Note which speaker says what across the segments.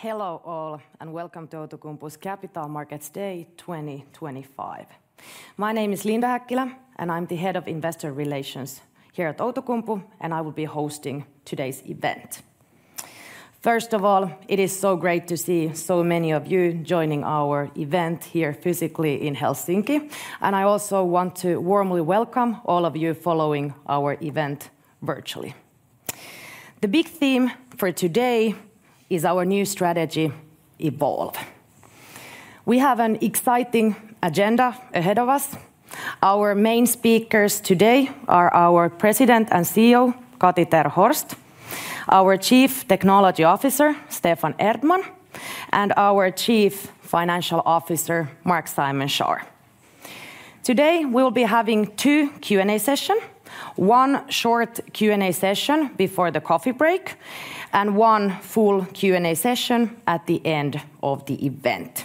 Speaker 1: Hello all, and welcome to Outokumpu's Capital Markets Day 2025. My name is Linda Häkkilä, and I'm the Head of Investor Relations here at Outokumpu, and I will be hosting today's event. First of all, it is so great to see so many of you joining our event here physically in Helsinki, and I also want to warmly welcome all of you following our event virtually. The big theme for today is our new strategy, EVOLVE. We have an exciting agenda ahead of us. Our main speakers today are our President and CEO, Kati ter Horst, our Chief Technology Officer, Stefan Erdmann, and our Chief Financial Officer, Marc-Simon Schaar. Today we will be having two Q&A sessions: one short Q&A session before the coffee break and one full Q&A session at the end of the event.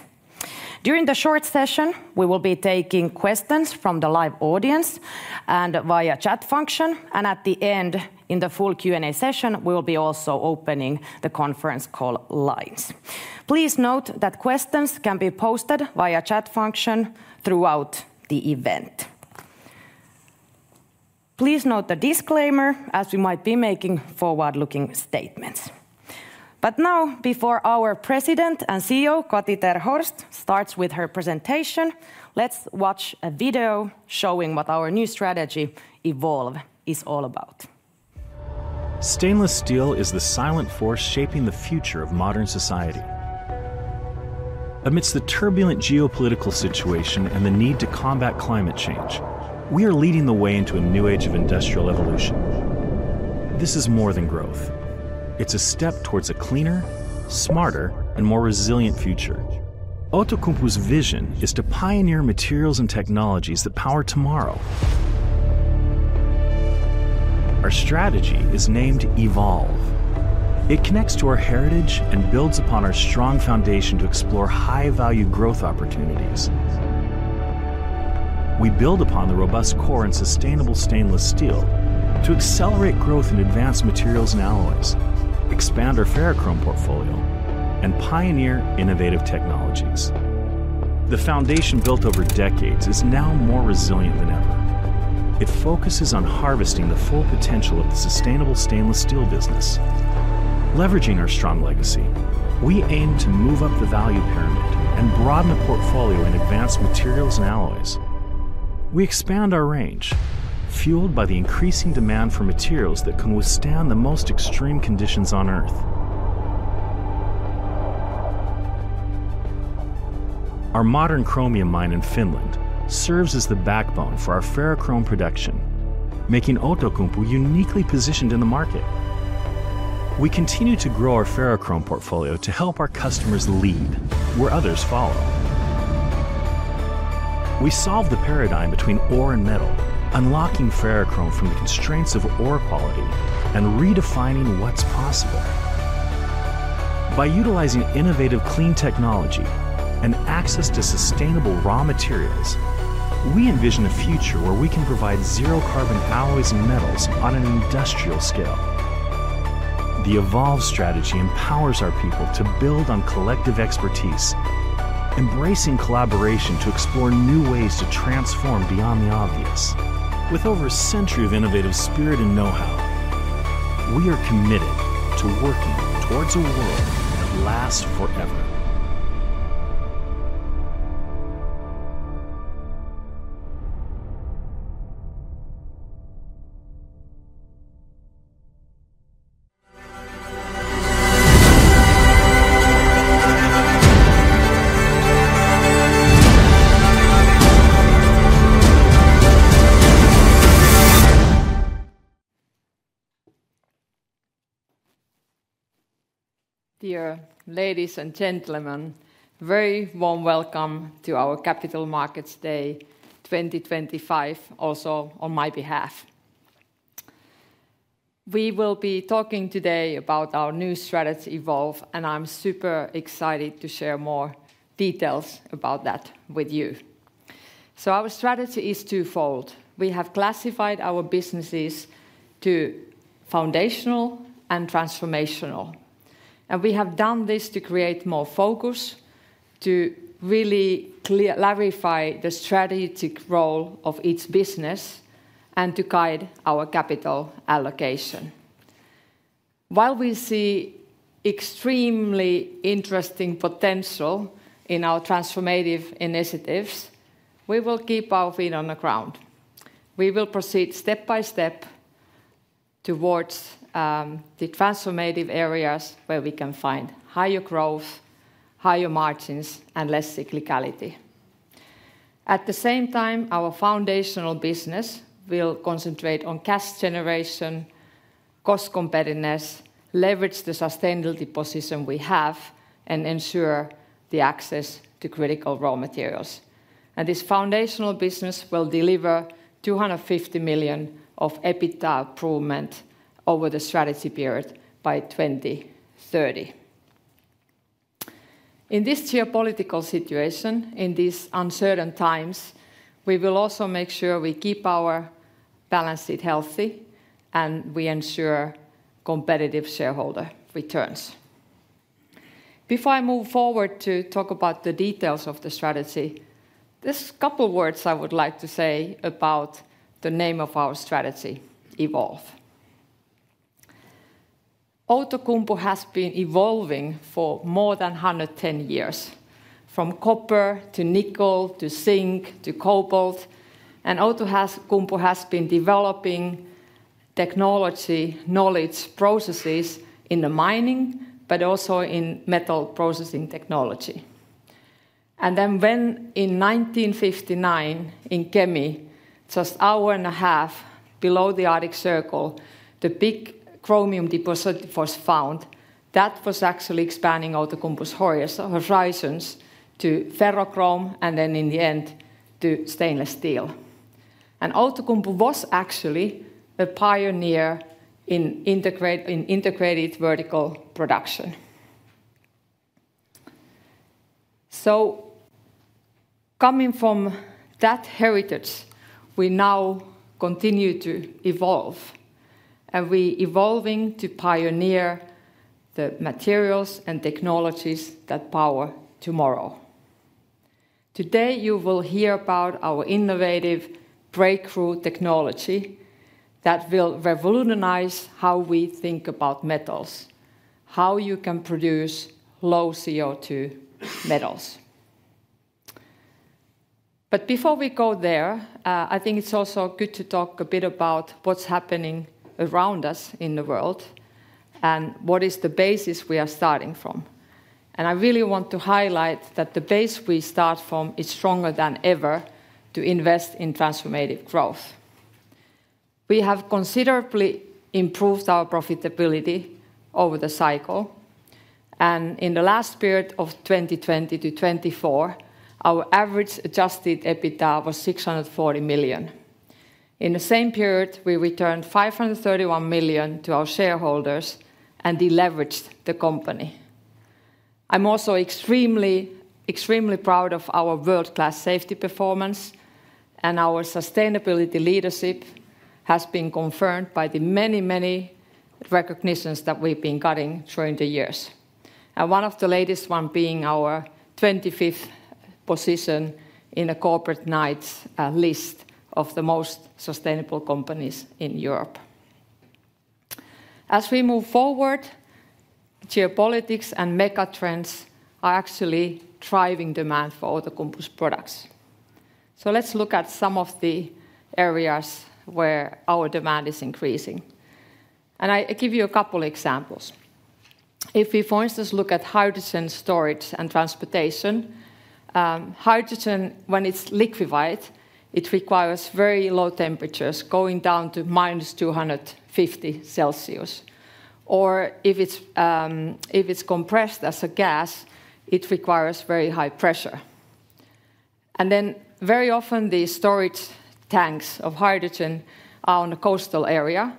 Speaker 1: During the short session, we will be taking questions from the live audience and via chat function, and at the end, in the full Q&A session, we will be also opening the conference call lines. Please note that questions can be posted via chat function throughout the event. Please note the disclaimer, as we might be making forward-looking statements. Now, before our President and CEO, Kati ter Horst, starts with her presentation, let's watch a video showing what our new strategy, EVOLVE, is all about.
Speaker 2: Stainless steel is the silent force shaping the future of modern society. Amidst the turbulent geopolitical situation and the need to combat climate change, we are leading the way into a new age of industrial evolution. This is more than growth; it's a step towards a cleaner, smarter, and more resilient future. Outokumpu's vision is to pioneer materials and technologies that power tomorrow. Our strategy is named EVOLVE. It connects to our heritage and builds upon our strong foundation to explore high-value growth opportunities. We build upon the robust core in sustainable stainless steel to accelerate growth in advanced materials and alloys, expand our ferrochrome portfolio, and pioneer innovative technologies. The foundation built over decades is now more resilient than ever. It focuses on harvesting the full potential of the sustainable stainless steel business. Leveraging our strong legacy, we aim to move up the value pyramid and broaden the portfolio in advanced materials and alloys. We expand our range, fueled by the increasing demand for materials that can withstand the most extreme conditions on Earth. Our modern chromium mine in Finland serves as the backbone for our ferrochrome production, making Outokumpu uniquely positioned in the market. We continue to grow our ferrochrome portfolio to help our customers lead where others follow. We solve the paradigm between ore and metal, unlocking ferrochrome from the constraints of ore quality and redefining what's possible. By utilizing innovative clean technology and access to sustainable raw materials, we envision a future where we can provide zero-carbon alloys and metals on an industrial scale. The EVOLVE strategy empowers our people to build on collective expertise, embracing collaboration to explore new ways to transform beyond the obvious. With over a century of innovative spirit and know-how, we are committed to working towards a world that lasts forever.
Speaker 3: Dear ladies and gentlemen, very warm welcome to our Capital Markets Day 2025, also on my behalf. We will be talking today about our new strategy, EVOLVE, and I'm super excited to share more details about that with you. Our strategy is twofold. We have classified our businesses to foundational and transformational, and we have done this to create more focus, to really clarify the strategic role of each business, and to guide our capital allocation. While we see extremely interesting potential in our transformative initiatives, we will keep our feet on the ground. We will proceed step by step towards the transformative areas where we can find higher growth, higher margins, and less cyclicality. At the same time, our foundational business will concentrate on cash generation, cost competitiveness, leverage the sustainability position we have, and ensure the access to critical raw materials. This foundational business will deliver 250 million of EBITDA improvement over the strategy period by 2030. In this geopolitical situation, in these uncertain times, we will also make sure we keep our balance sheet healthy, and we ensure competitive shareholder returns. Before I move forward to talk about the details of the strategy, there are a couple of words I would like to say about the name of our strategy, EVOLVE. Outokumpu has been evolving for more than 110 years, from copper to nickel to zinc to cobalt, and Outokumpu has been developing technology knowledge processes in the mining, but also in metal processing technology. When in 1959 in Kemi, just an hour and a half below the Arctic Circle, the big chromium deposit was found, that was actually expanding Outokumpu's horizons to ferrochrome and in the end to stainless steel. Outokumpu was actually a pioneer in integrated vertical production. Coming from that heritage, we now continue to evolve, and we are evolving to pioneer the materials and technologies that power tomorrow. Today you will hear about our innovative breakthrough technology that will revolutionize how we think about metals, how you can produce low CO2 metals. Before we go there, I think it is also good to talk a bit about what is happening around us in the world and what is the basis we are starting from. I really want to highlight that the base we start from is stronger than ever to invest in transformative growth. We have considerably improved our profitability over the cycle, and in the last period of 2020-2024, our average adjusted EBITDA was 640 million. In the same period, we returned 531 million to our shareholders and deleveraged the company. I'm also extremely proud of our world-class safety performance, and our sustainability leadership has been confirmed by the many, many recognitions that we've been getting during the years. One of the latest ones being our 25th position in the Corporate Knights list of the most sustainable companies in Europe. As we move forward, geopolitics and mega trends are actually driving demand for Outokumpu's products. Let's look at some of the areas where our demand is increasing. I give you a couple of examples. If we, for instance, look at hydrogen storage and transportation, hydrogen, when it's liquefied, requires very low temperatures going down to -250 Celsius. If it's compressed as a gas, it requires very high pressure. Very often the storage tanks of hydrogen are on a coastal area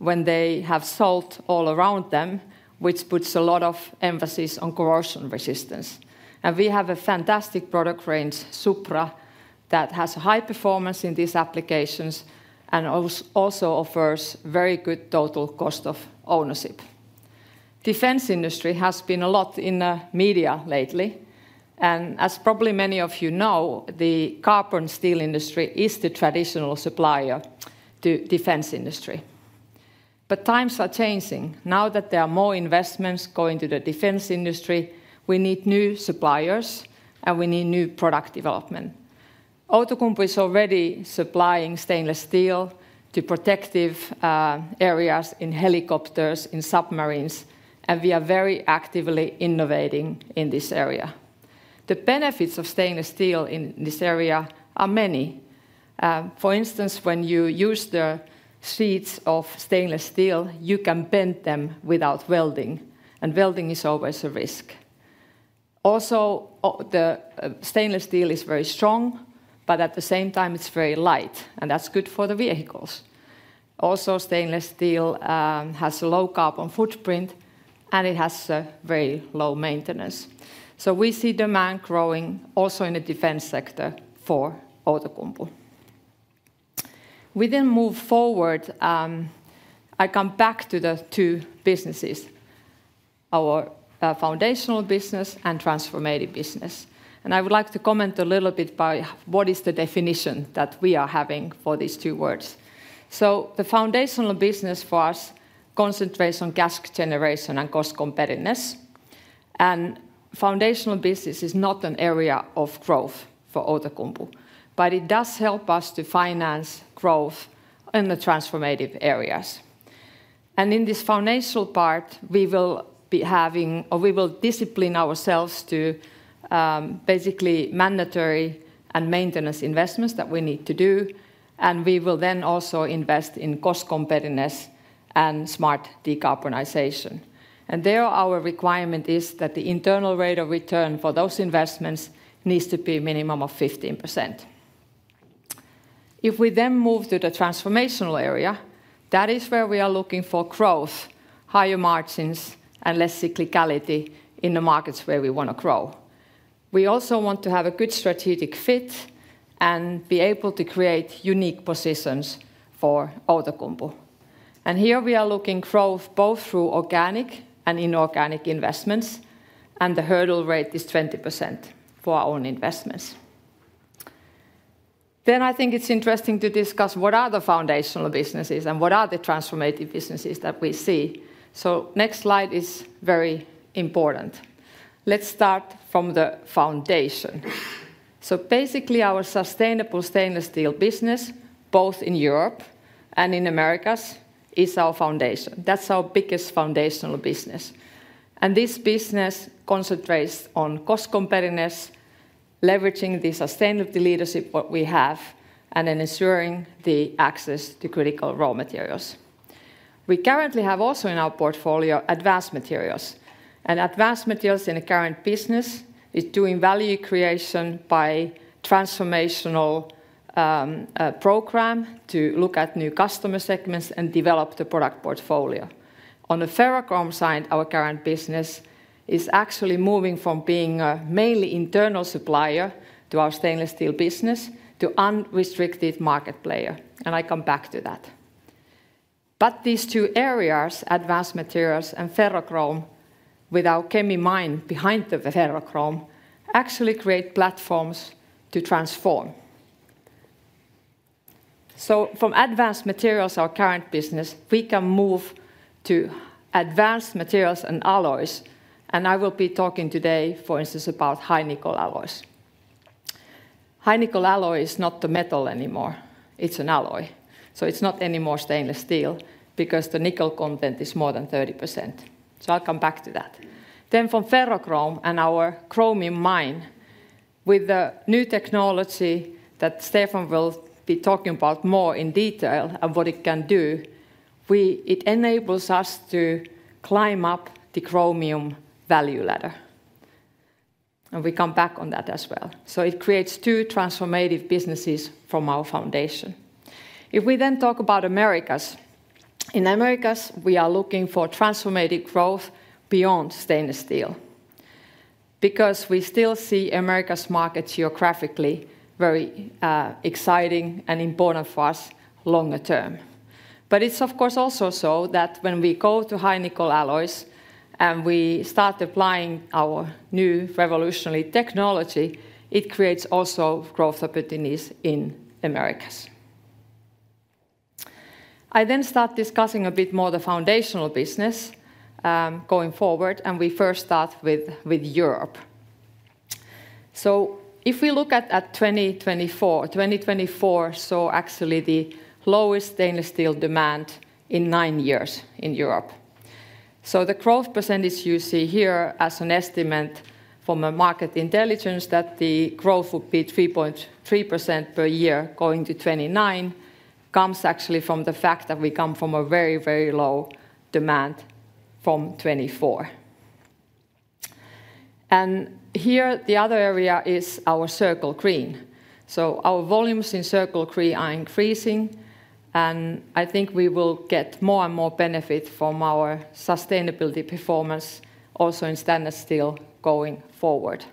Speaker 3: when they have salt all around them, which puts a lot of emphasis on corrosion resistance. We have a fantastic product range, Supra, that has high performance in these applications and also offers very good total cost of ownership. Defense industry has been a lot in the media lately, and as probably many of you know, the carbon steel industry is the traditional supplier to the defense industry. Times are changing. Now that there are more investments going to the defense industry, we need new suppliers and we need new product development. Outokumpu is already supplying stainless steel to protective areas in helicopters, in submarines, and we are very actively innovating in this area. The benefits of stainless steel in this area are many. For instance, when you use the sheets of stainless steel, you can bend them without welding, and welding is always a risk. Also, the stainless steel is very strong, but at the same time it's very light, and that's good for the vehicles. Also, stainless steel has a low carbon footprint and it has very low maintenance. We see demand growing also in the defense sector for Outokumpu. Within move forward, I come back to the two businesses: our foundational business and transformative business. I would like to comment a little bit about what is the definition that we are having for these two words. The foundational business for us concentrates on cash generation and cost competitiveness, and foundational business is not an area of growth for Outokumpu, but it does help us to finance growth in the transformative areas. In this foundational part, we will be having, or we will discipline ourselves to basically mandatory and maintenance investments that we need to do, and we will then also invest in cost competitiveness and smart decarbonization. There our requirement is that the internal rate of return for those investments needs to be a minimum of 15%. If we then move to the transformational area, that is where we are looking for growth, higher margins, and less cyclicality in the markets where we want to grow. We also want to have a good strategic fit and be able to create unique positions for Outokumpu. Here we are looking for growth both through organic and inorganic investments, and the hurdle rate is 20% for our own investments. I think it's interesting to discuss what are the foundational businesses and what are the transformative businesses that we see. Next slide is very important. Let's start from the foundation. Basically, our sustainable stainless steel business, both in Europe and in the Americas, is our foundation. That's our biggest foundational business. This business concentrates on cost competitiveness, leveraging the sustainability leadership we have, and then ensuring the access to critical raw materials. We currently have also in our portfolio advanced materials, and advanced materials in the current business is doing value creation by transformational program to look at new customer segments and develop the product portfolio. On the ferrochrome side, our current business is actually moving from being a mainly internal supplier to our stainless steel business to unrestricted market player, and I come back to that. These two areas, advanced materials and ferrochrome, with our Kemi Mine behind the ferrochrome, actually create platforms to transform. From advanced materials, our current business, we can move to advanced materials and alloys, and I will be talking today, for instance, about high-nickel alloys. High nickel alloy is not a metal anymore. It's an alloy. It's not anymore stainless steel because the nickel content is more than 30%. I'll come back to that. From ferrochrome and our chromium mine, with the new technology that Stefan will be talking about more in detail and what it can do, it enables us to climb up the chromium value ladder. We come back on that as well. It creates two transformative businesses from our foundation. If we then talk about Americas, in Americas we are looking for transformative growth beyond stainless steel because we still see America's market geographically very exciting and important for us longer term. It is of course also so that when we go to high-nickel alloys and we start applying our new revolutionary technology, it creates also growth opportunities in Americas. I then start discussing a bit more the foundational business going forward, and we first start with Europe. If we look at 2024, 2024 saw actually the lowest stainless steel demand in nine years in Europe. The growth percentage you see here as an estimate from a market intelligence that the growth would be 3.3% per year going to 2029 comes actually from the fact that we come from a very, very low demand from 2024. Here the other area is our Circle Green. Our volumes in Circle Green are increasing, and I think we will get more and more benefit from our sustainability performance also in stainless steel going forward.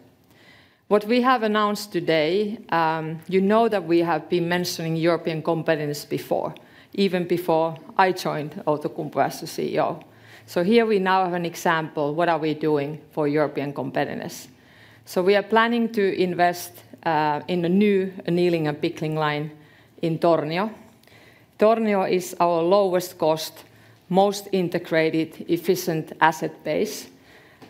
Speaker 3: What we have announced today, you know that we have been mentioning European competitiveness before, even before I joined Outokumpu as the CEO. Here we now have an example of what are we doing for European competitiveness. We are planning to invest in a new annealing and pickling line in Tornio. Tornio is our lowest cost, most integrated, efficient asset base.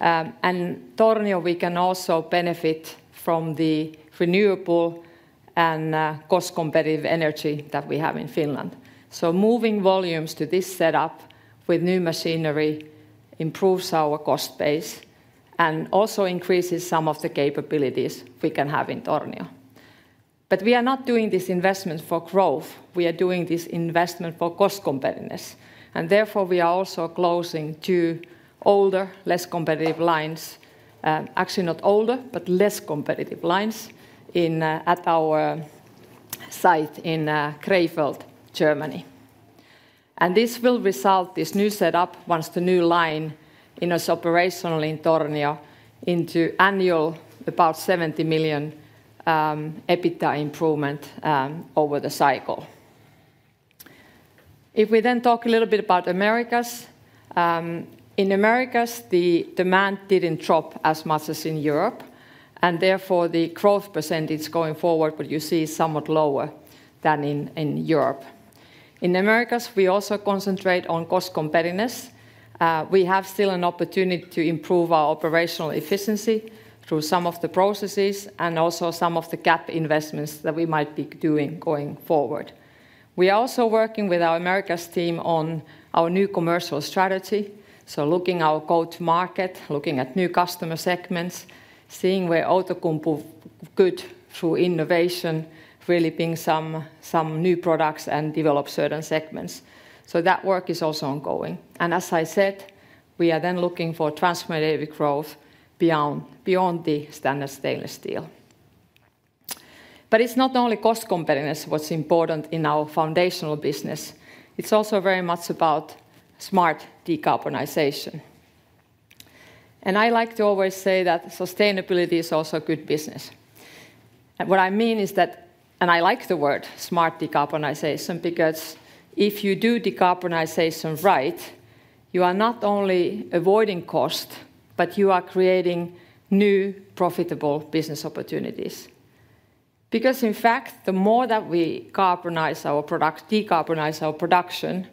Speaker 3: In Tornio, we can also benefit from the renewable and cost competitive energy that we have in Finland. Moving volumes to this setup with new machinery improves our cost base and also increases some of the capabilities we can have in Tornio. We are not doing this investment for growth. We are doing this investment for cost competitiveness. Therefore we are also closing two older, less competitive lines, actually not older, but less competitive lines at our site in Krefeld, Germany. This will result, this new setup, once the new line is operational in Tornio, in annual about 70 million EBITDA improvement over the cycle. If we then talk a little bit about Americas, in Americas the demand did not drop as much as in Europe, and therefore the growth percentage going forward, what you see, is somewhat lower than in Europe. In Americas we also concentrate on cost competitiveness. We have still an opportunity to improve our operational efficiency through some of the processes and also some of the gap investments that we might be doing going forward. We are also working with our Americas team on our new commercial strategy, looking at our go-to-market, looking at new customer segments, seeing where Outokumpu could, through innovation, really bring some new products and develop certain segments. That work is also ongoing. As I said, we are then looking for transformative growth beyond the standard stainless steel. It is not only cost competitiveness that is important in our foundational business. It is also very much about smart decarbonization. I like to always say that sustainability is also a good business. What I mean is that, and I like the word smart decarbonization because if you do decarbonization right, you are not only avoiding cost, but you are creating new profitable business opportunities. In fact, the more that we decarbonize our production,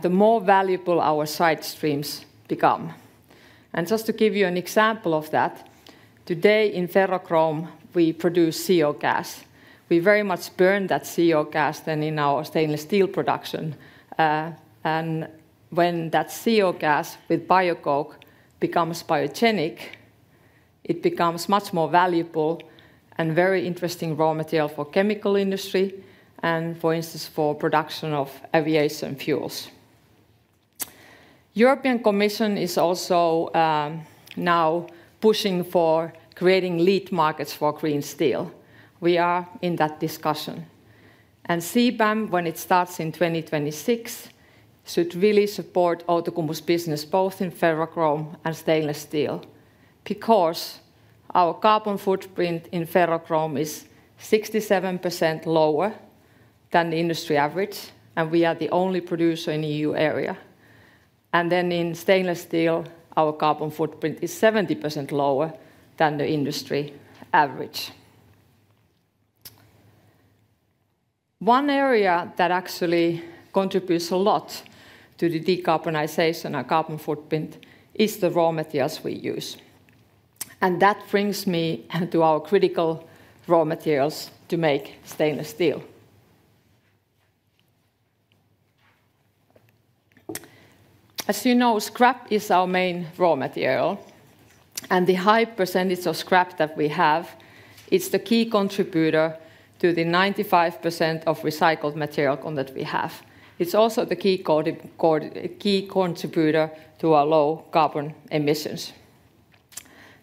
Speaker 3: the more valuable our side streams become. Just to give you an example of that, today in ferrochrome we produce CO gas. We very much burn that CO gas then in our stainless steel production. When that CO gas with biocoke becomes biogenic, it becomes much more valuable and very interesting raw material for the chemical industry and for instance for production of aviation fuels. The European Commission is also now pushing for creating lead markets for green steel. We are in that discussion. CBAM, when it starts in 2026, should really support Outokumpu's business both in ferrochrome and stainless steel because our carbon footprint in ferrochrome is 67% lower than the industry average, and we are the only producer in the EU area. In stainless steel, our carbon footprint is 70% lower than the industry average. One area that actually contributes a lot to the decarbonization and carbon footprint is the raw materials we use. That brings me to our critical raw materials to make stainless steel. As you know, scrap is our main raw material, and the high percentage of scrap that we have is the key contributor to the 95% of recycled material that we have. It's also the key contributor to our low carbon emissions.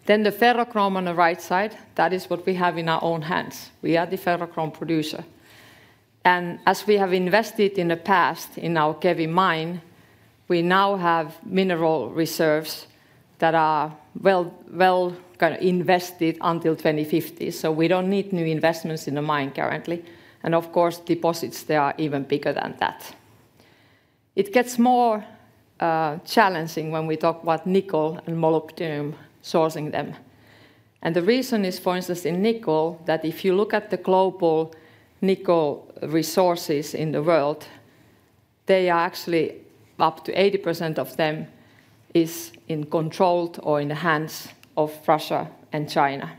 Speaker 3: The ferrochrome on the right side, that is what we have in our own hands. We are the ferrochrome producer. As we have invested in the past in our Kemi Mine, we now have mineral reserves that are well invested until 2050, so we do not need new investments in the mine currently. Of course, deposits there are even bigger than that. It gets more challenging when we talk about nickel and molybdenum sourcing them. The reason is, for instance, in nickel, that if you look at the global nickel resources in the world, they are actually up to 80% of them in controlled or in the hands of Russia and China.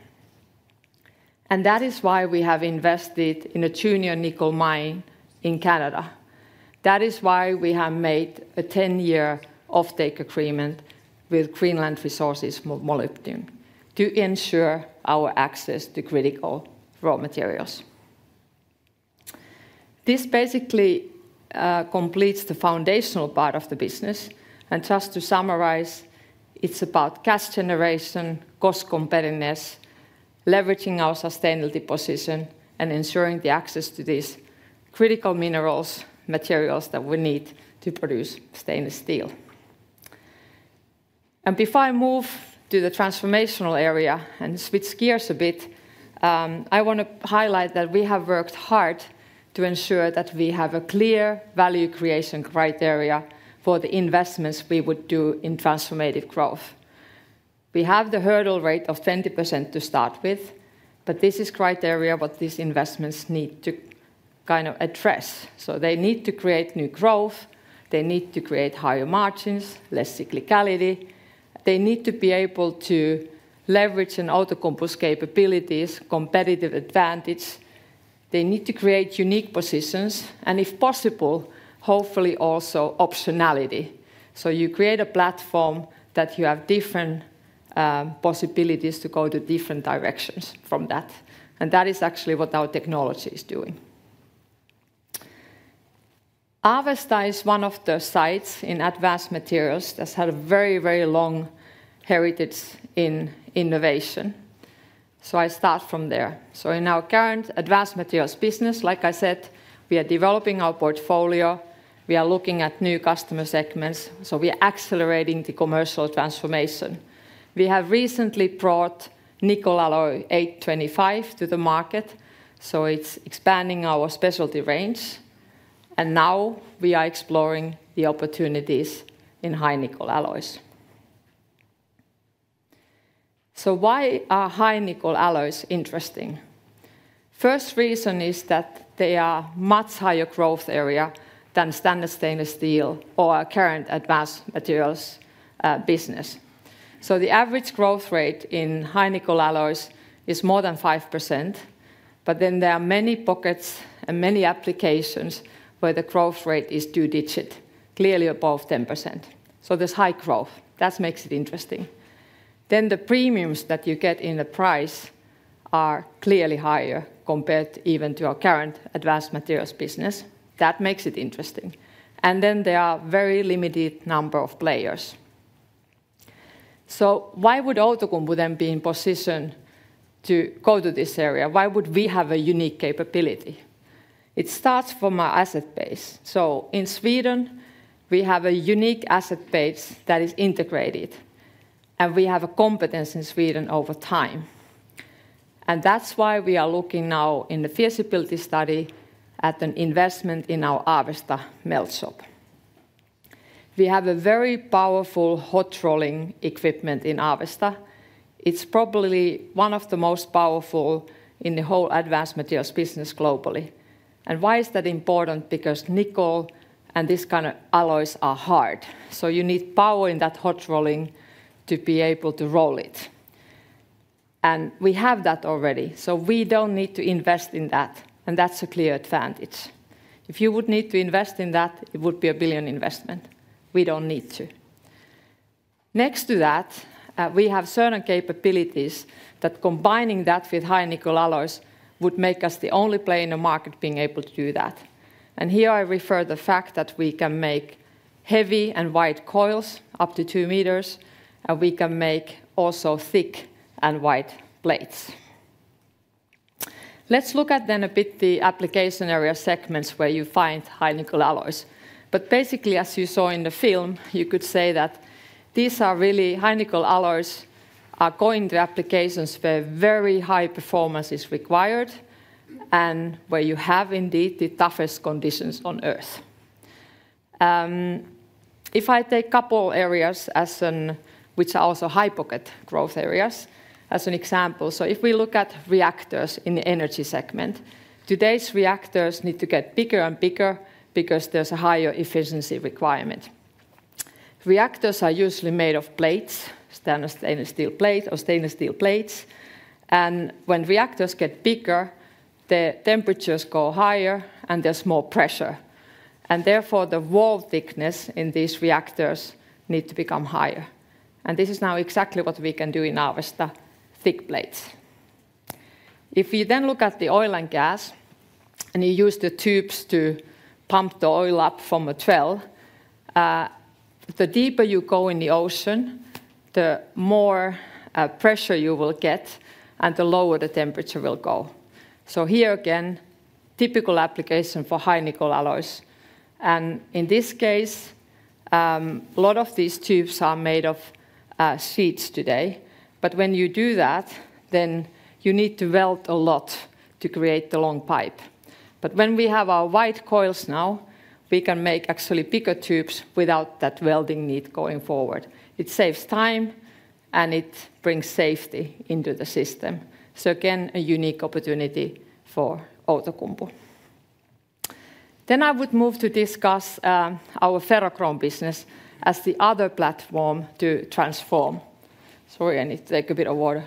Speaker 3: That is why we have invested in a junior nickel mine in Canada. That is why we have made a 10-year offtake agreement with Greenland Resources molybdenum to ensure our access to critical raw materials. This basically completes the foundational part of the business. Just to summarize, it is about cash generation, cost competitiveness, leveraging our sustainability position, and ensuring the access to these critical minerals, materials that we need to produce stainless steel. Before I move to the transformational area and switch gears a bit, I want to highlight that we have worked hard to ensure that we have a clear value creation criteria for the investments we would do in transformative growth. We have the hurdle rate of 20% to start with, but this is criteria what these investments need to kind of address. They need to create new growth, they need to create higher margins, less cyclicality, they need to be able to leverage Outokumpu's capabilities, competitive advantage, they need to create unique positions, and if possible, hopefully also optionality. You create a platform that you have different possibilities to go to different directions from that. That is actually what our technology is doing. Avesta is one of the sites in advanced materials that has had a very, very long heritage in innovation. I start from there. In our current advanced materials business, like I said, we are developing our portfolio, we are looking at new customer segments, so we are accelerating the commercial transformation. We have recently brought Nickel Alloy 825 to the market, so it is expanding our specialty range. Now we are exploring the opportunities in high-nickel alloys. Why are high-nickel alloys interesting? First reason is that they are a much higher growth area than standard stainless steel or our current advanced materials business. The average growth rate in high-nickel alloys is more than 5%, but then there are many pockets and many applications where the growth rate is two-digit, clearly above 10%. There is high growth. That makes it interesting. The premiums that you get in the price are clearly higher compared even to our current advanced materials business. That makes it interesting. There are a very limited number of players. Why would Outokumpu then be in position to go to this area? Why would we have a unique capability? It starts from our asset base. In Sweden, we have a unique asset base that is integrated, and we have a competence in Sweden over time. That is why we are looking now in the feasibility study at an investment in our Avesta melt shop. We have very powerful hot rolling equipment in Avesta. It is probably one of the most powerful in the whole advanced materials business globally. Why is that important? Because nickel and these kinds of alloys are hard. You need power in that hot rolling to be able to roll it. We have that already, so we do not need to invest in that. That is a clear advantage. If you would need to invest in that, it would be a billion investment. We do not need to. Next to that, we have certain capabilities that, combining that with high-nickel alloys, would make us the only player in the market being able to do that. Here I refer to the fact that we can make heavy and wide coils up to 2 meters, and we can also make thick and wide plates. Let us look at then a bit the application area segments where you find high-nickel alloys. Basically, as you saw in the film, you could say that these are really high-nickel alloys going to applications where very high performance is required and where you have indeed the toughest conditions on Earth. If I take a couple areas which are also high pocket growth areas as an example, if we look at reactors in the energy segment, today's reactors need to get bigger and bigger because there is a higher efficiency requirement. Reactors are usually made of plates, standard stainless steel plate or stainless steel plates. When reactors get bigger, the temperatures go higher and there is more pressure. Therefore, the wall thickness in these reactors needs to become higher. This is now exactly what we can do in Avesta, thick plates. If we then look at the oil and gas and you use the tubes to pump the oil up from a well, the deeper you go in the ocean, the more pressure you will get and the lower the temperature will go. Here again, typical application for high-nickel alloys. In this case, a lot of these tubes are made of sheets today. When you do that, you need to weld a lot to create the long pipe. When we have our wide coils now, we can actually make bigger tubes without that welding need going forward. It saves time and it brings safety into the system. Again, a unique opportunity for Outokumpu. I would move to discuss our ferrochrome business as the other platform to transform. Sorry, I need to take a bit of water.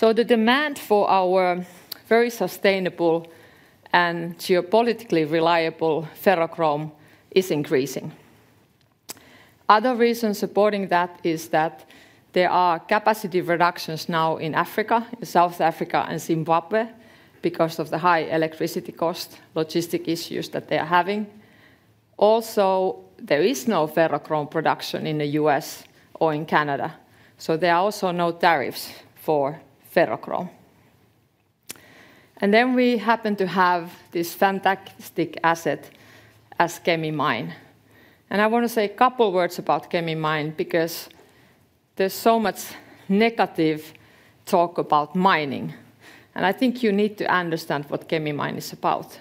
Speaker 3: The demand for our very sustainable and geopolitically reliable ferrochrome is increasing. Other reasons supporting that are that there are capacity reductions now in Africa, in South Africa and Zimbabwe because of the high electricity cost and logistic issues that they are having. Also, there is no ferrochrome production in the U.S. or in Canada. There are also no tariffs for ferrochrome. We happen to have this fantastic asset as Kemi Mine. I want to say a couple of words about Kemi Mine because there is so much negative talk about mining. I think you need to understand what Kemi Mine is about.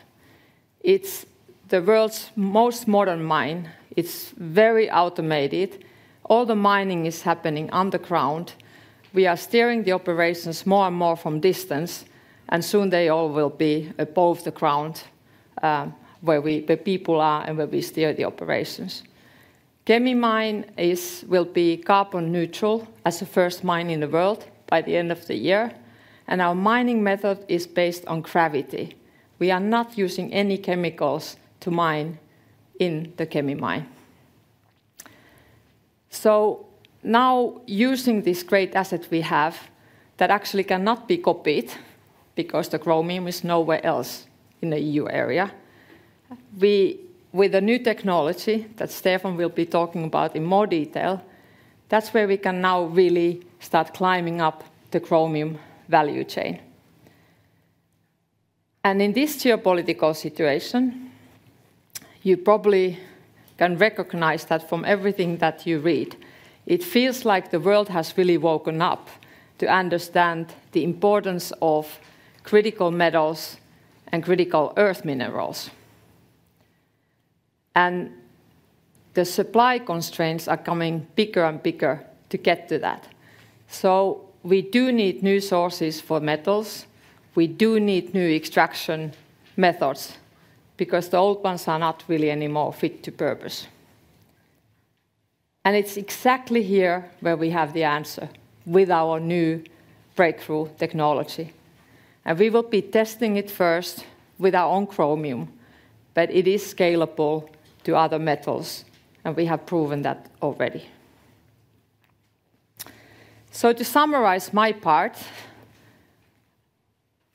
Speaker 3: It is the world's most modern mine. It is very automated. All the mining is happening underground. We are steering the operations more and more from distance, and soon they all will be above the ground where the people are and where we steer the operations. Kemi Mine will be carbon neutral as the first mine in the world by the end of the year. Our mining method is based on gravity. We are not using any chemicals to mine in the Kemi Mine. Now, using this great asset we have that actually cannot be copied because the chromium is nowhere else in the EU area, with a new technology that Stefan will be talking about in more detail, that is where we can now really start climbing up the chromium value chain. In this geopolitical situation, you probably can recognize that from everything that you read. It feels like the world has really woken up to understand the importance of critical metals and critical Earth minerals. The supply constraints are coming bigger and bigger to get to that. We do need new sources for metals. We do need new extraction methods because the old ones are not really anymore fit to purpose. It is exactly here where we have the answer with our new breakthrough technology. We will be testing it first with our own chromium, but it is scalable to other metals, and we have proven that already. To summarize my part,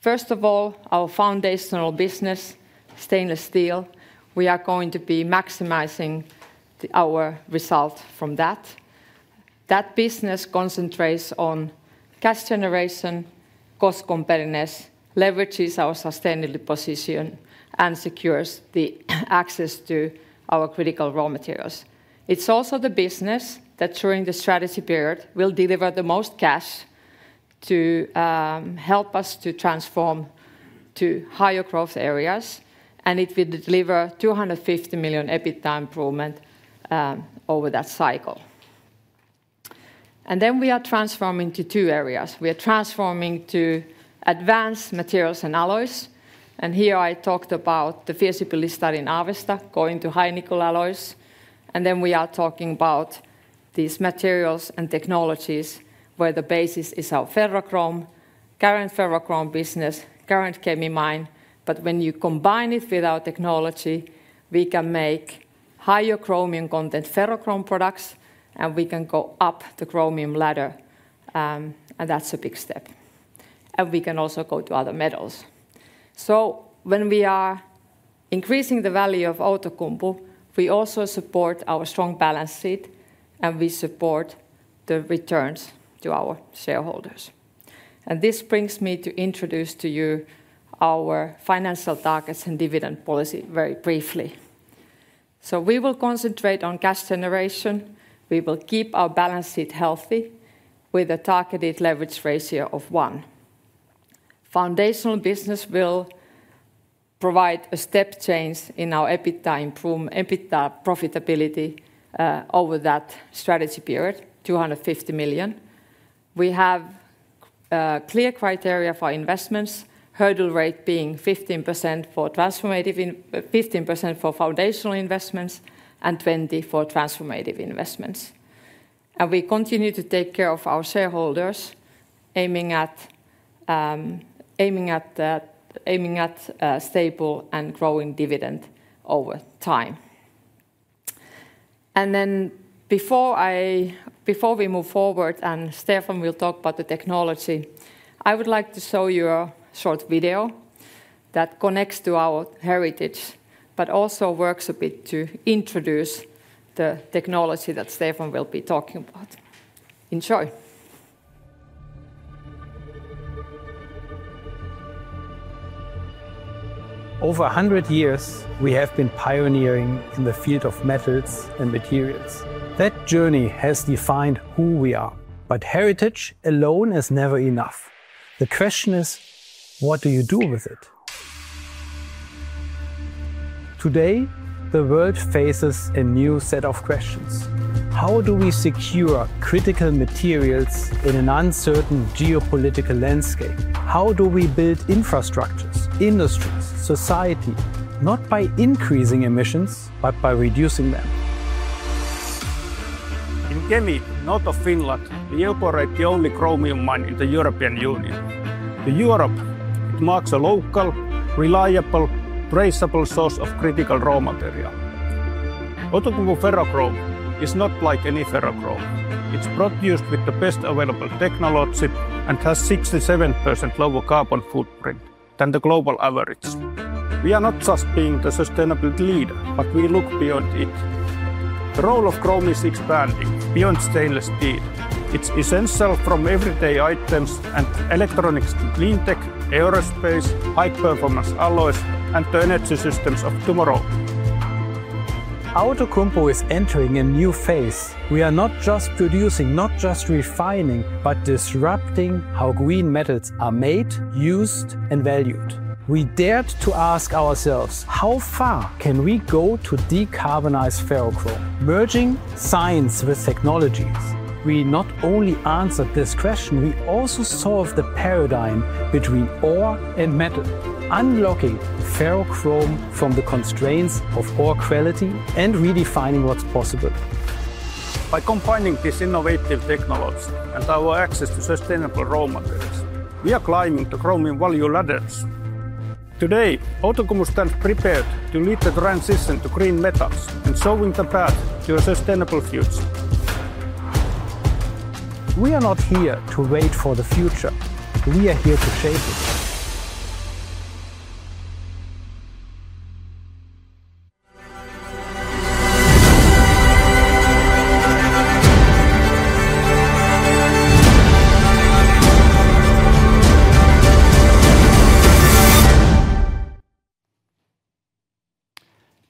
Speaker 3: first of all, our foundational business, stainless steel, we are going to be maximizing our result from that. That business concentrates on cash generation, cost competitiveness, leverages our sustainability position, and secures the access to our critical raw materials. It is also the business that during the strategy period will deliver the most cash to help us to transform to higher growth areas, and it will deliver 250 million EBITDA improvement over that cycle. We are transforming to two areas. We are transforming to advanced materials and alloys. Here I talked about the feasibility study in Avesta going to high-nickel alloys. We are talking about these materials and technologies where the basis is our ferrochrome, current ferrochrome business, current Kemi Mine. When you combine it with our technology, we can make higher chromium content ferrochrome products, and we can go up the chromium ladder. That is a big step. We can also go to other metals. When we are increasing the value of Outokumpu, we also support our strong balance sheet, and we support the returns to our shareholders. This brings me to introduce to you our financial targets and dividend policy very briefly. We will concentrate on cash generation. We will keep our balance sheet healthy with a targeted leverage ratio of 1. Foundational business will provide a step change in our EBITDA profitability over that strategy period, 250 million. We have clear criteria for investments, hurdle rate being 15% for foundational investments and 20% for transformative investments. We continue to take care of our shareholders, aiming at stable and growing dividend over time. Before we move forward and Stefan will talk about the technology, I would like to show you a short video that connects to our heritage, but also works a bit to introduce the technology that Stefan will be talking about. Enjoy.
Speaker 2: Over 100 years, we have been pioneering in the field of metals and materials. That journey has defined who we are. Heritage alone is never enough. The question is, what do you do with it? Today, the world faces a new set of questions. How do we secure critical materials in an uncertain geopolitical landscape? How do we build infrastructures, industries, society? Not by increasing emissions, but by reducing them. In Kemi, north of Finland, we operate the only chromium mine in the European Union. In Europe, it marks a local, reliable, traceable source of critical raw material. Outokumpu ferrochrome is not like any ferrochrome. It's produced with the best available technology and has 67% lower carbon footprint than the global average. We are not just being the sustainability leader, but we look beyond it. The role of chrome is expanding beyond stainless steel. It's essential from everyday items and electronics to clean tech, aerospace, high-performance alloys, and the energy systems of tomorrow. Outokumpu is entering a new phase. We are not just producing, not just refining, but disrupting how green metals are made, used, and valued. We dared to ask ourselves, how far can we go to decarbonize ferrochrome? Merging science with technologies. We not only answered this question, we also solved the paradigm between ore and metal, unlocking ferrochrome from the constraints of ore quality and redefining what is possible. By combining this innovative technology and our access to sustainable raw materials, we are climbing the chromium value ladders. Today, Outokumpu stands prepared to lead the transition to green metals and showing the path to a sustainable future. We are not here to wait for the future. We are here to shape it.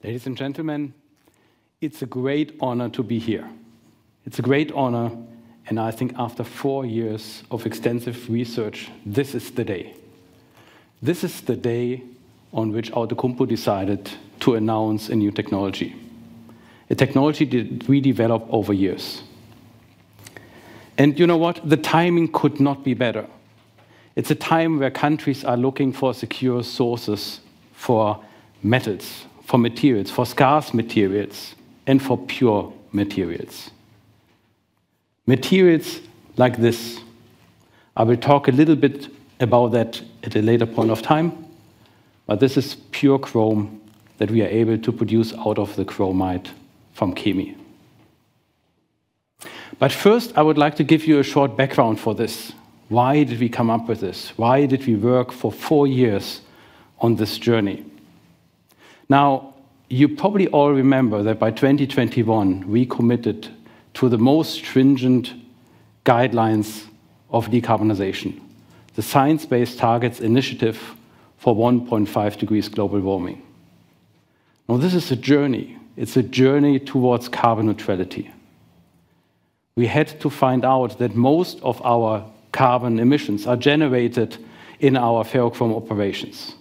Speaker 4: Ladies and gentlemen, it is a great honor to be here. It is a great honor, and I think after four years of extensive research, this is the day. This is the day on which Outokumpu decided to announce a new technology, a technology that we developed over years. And you know what? The timing could not be better. It's a time where countries are looking for secure sources for metals, for materials, for scarce materials, and for pure materials. Materials like this. I will talk a little bit about that at a later point of time, but this is pure chrome that we are able to produce out of the chromite from Kemi. First, I would like to give you a short background for this. Why did we come up with this? Why did we work for four years on this journey? Now, you probably all remember that by 2021, we committed to the most stringent guidelines of decarbonization, the Science-Based Targets Initiative for 1.5 degrees global warming. Now, this is a journey. It's a journey towards carbon neutrality. We had to find out that most of our carbon emissions are generated in our ferrochrome operations.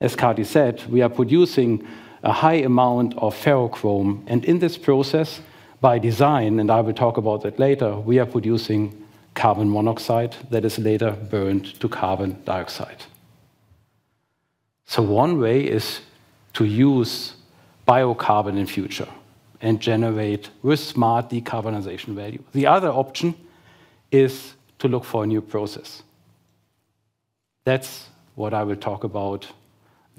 Speaker 4: As Kati said, we are producing a high amount of ferrochrome, and in this process, by design, and I will talk about that later, we are producing carbon monoxide that is later burned to carbon dioxide. One way is to use biocarbon in the future and generate with smart decarbonization value. The other option is to look for a new process. That is what I will talk about. That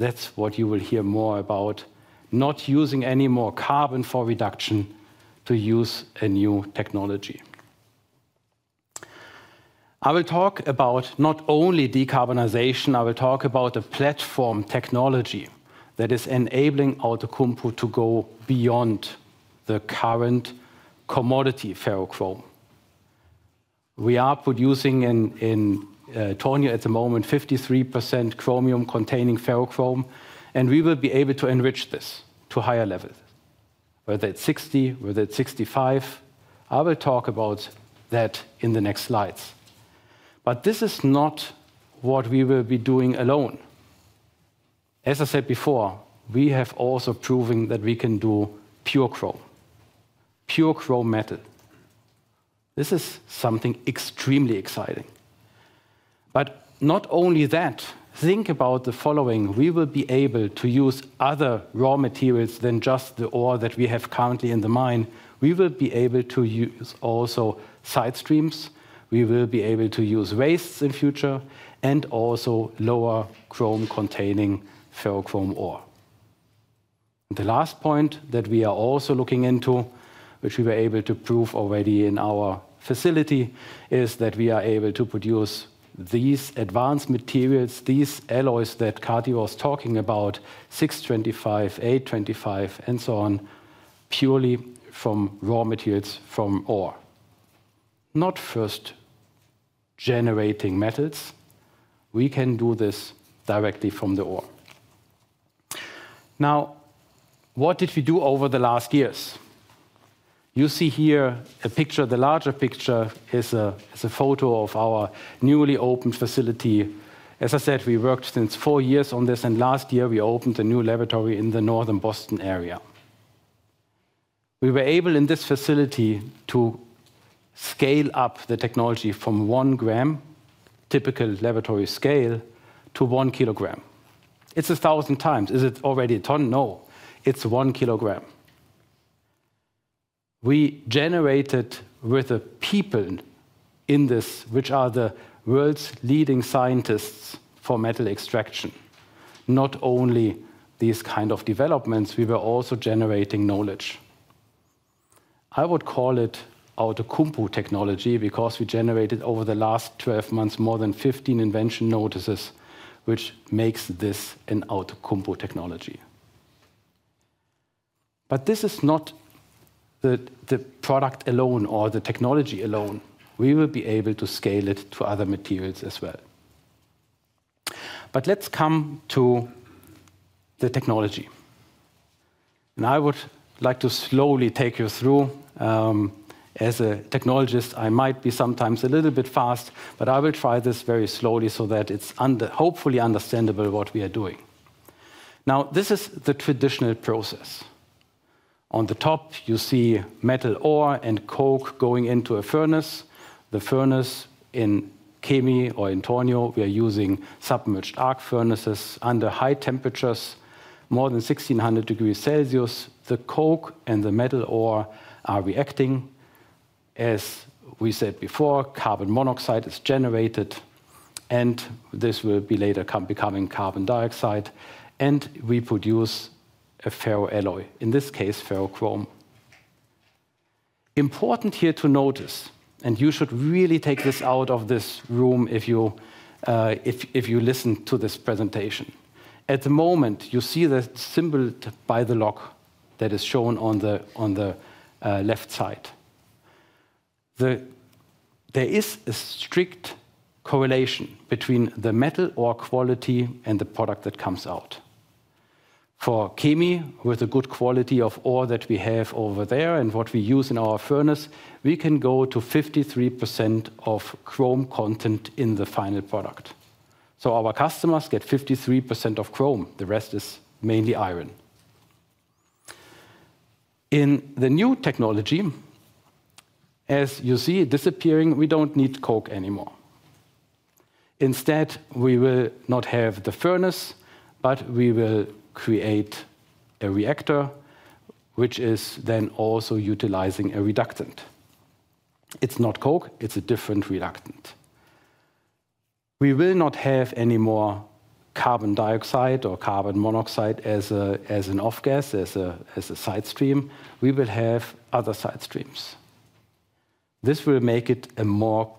Speaker 4: is what you will hear more about, not using any more carbon for reduction to use a new technology. I will talk about not only decarbonization. I will talk about the platform technology that is enabling Outokumpu to go beyond the current commodity ferrochrome. We are producing in Tornio at the moment 53% chromium-containing ferrochrome, and we will be able to enrich this to higher levels, whether it is 60%, whether it is 65%. I will talk about that in the next slides. This is not what we will be doing alone. As I said before, we have also proven that we can do pure chrome, pure chrome metal. This is something extremely exciting. Not only that, think about the following. We will be able to use other raw materials than just the ore that we have currently in the mine. We will be able to use also side streams. We will be able to use wastes in the future and also lower chrome-containing ferrochrome ore. The last point that we are also looking into, which we were able to prove already in our facility, is that we are able to produce these advanced materials, these alloys that Kati was talking about, 625, 825, and so on, purely from raw materials from ore. Not first generating metals. We can do this directly from the ore. Now, what did we do over the last years? You see here a picture. The larger picture is a photo of our newly opened facility. As I said, we worked since four years on this, and last year we opened a new laboratory in the northern Boston area. We were able in this facility to scale up the technology from one gram, typical laboratory scale, to 1 kg. It's 1,000 times. Is it already a ton? No. It's 1 kg. We generated with the people in this, which are the world's leading scientists for metal extraction, not only these kinds of developments. We were also generating knowledge. I would call it Outokumpu Technology because we generated over the last 12 months more than 15 invention notices, which makes this an Outokumpu Technology. This is not the product alone or the technology alone. We will be able to scale it to other materials as well. Let us come to the technology. I would like to slowly take you through. As a technologist, I might be sometimes a little bit fast, but I will try this very slowly so that it is hopefully understandable what we are doing. Now, this is the traditional process. On the top, you see metal ore and coke going into a furnace. The furnace in Kemi or in Tornio, we are using submerged arc furnaces under high temperatures, more than 1,600 degrees Celsius. The coke and the metal ore are reacting. As we said before, carbon monoxide is generated, and this will be later becoming carbon dioxide and reproduce a ferroalloy, in this case, ferrochrome. Important here to notice, and you should really take this out of this room if you listen to this presentation. At the moment, you see the symbol by the lock that is shown on the left side. There is a strict correlation between the metal ore quality and the product that comes out. For Kemi, with the good quality of ore that we have over there and what we use in our furnace, we can go to 53% of chrome content in the final product. Our customers get 53% of chrome. The rest is mainly iron. In the new technology, as you see disappearing, we do not need coke anymore. Instead, we will not have the furnace, but we will create a reactor, which is then also utilizing a reductant. It is not coke. It is a different reductant. We will not have any more carbon dioxide or carbon monoxide as an off-gas, as a side stream. We will have other side streams. This will make it a more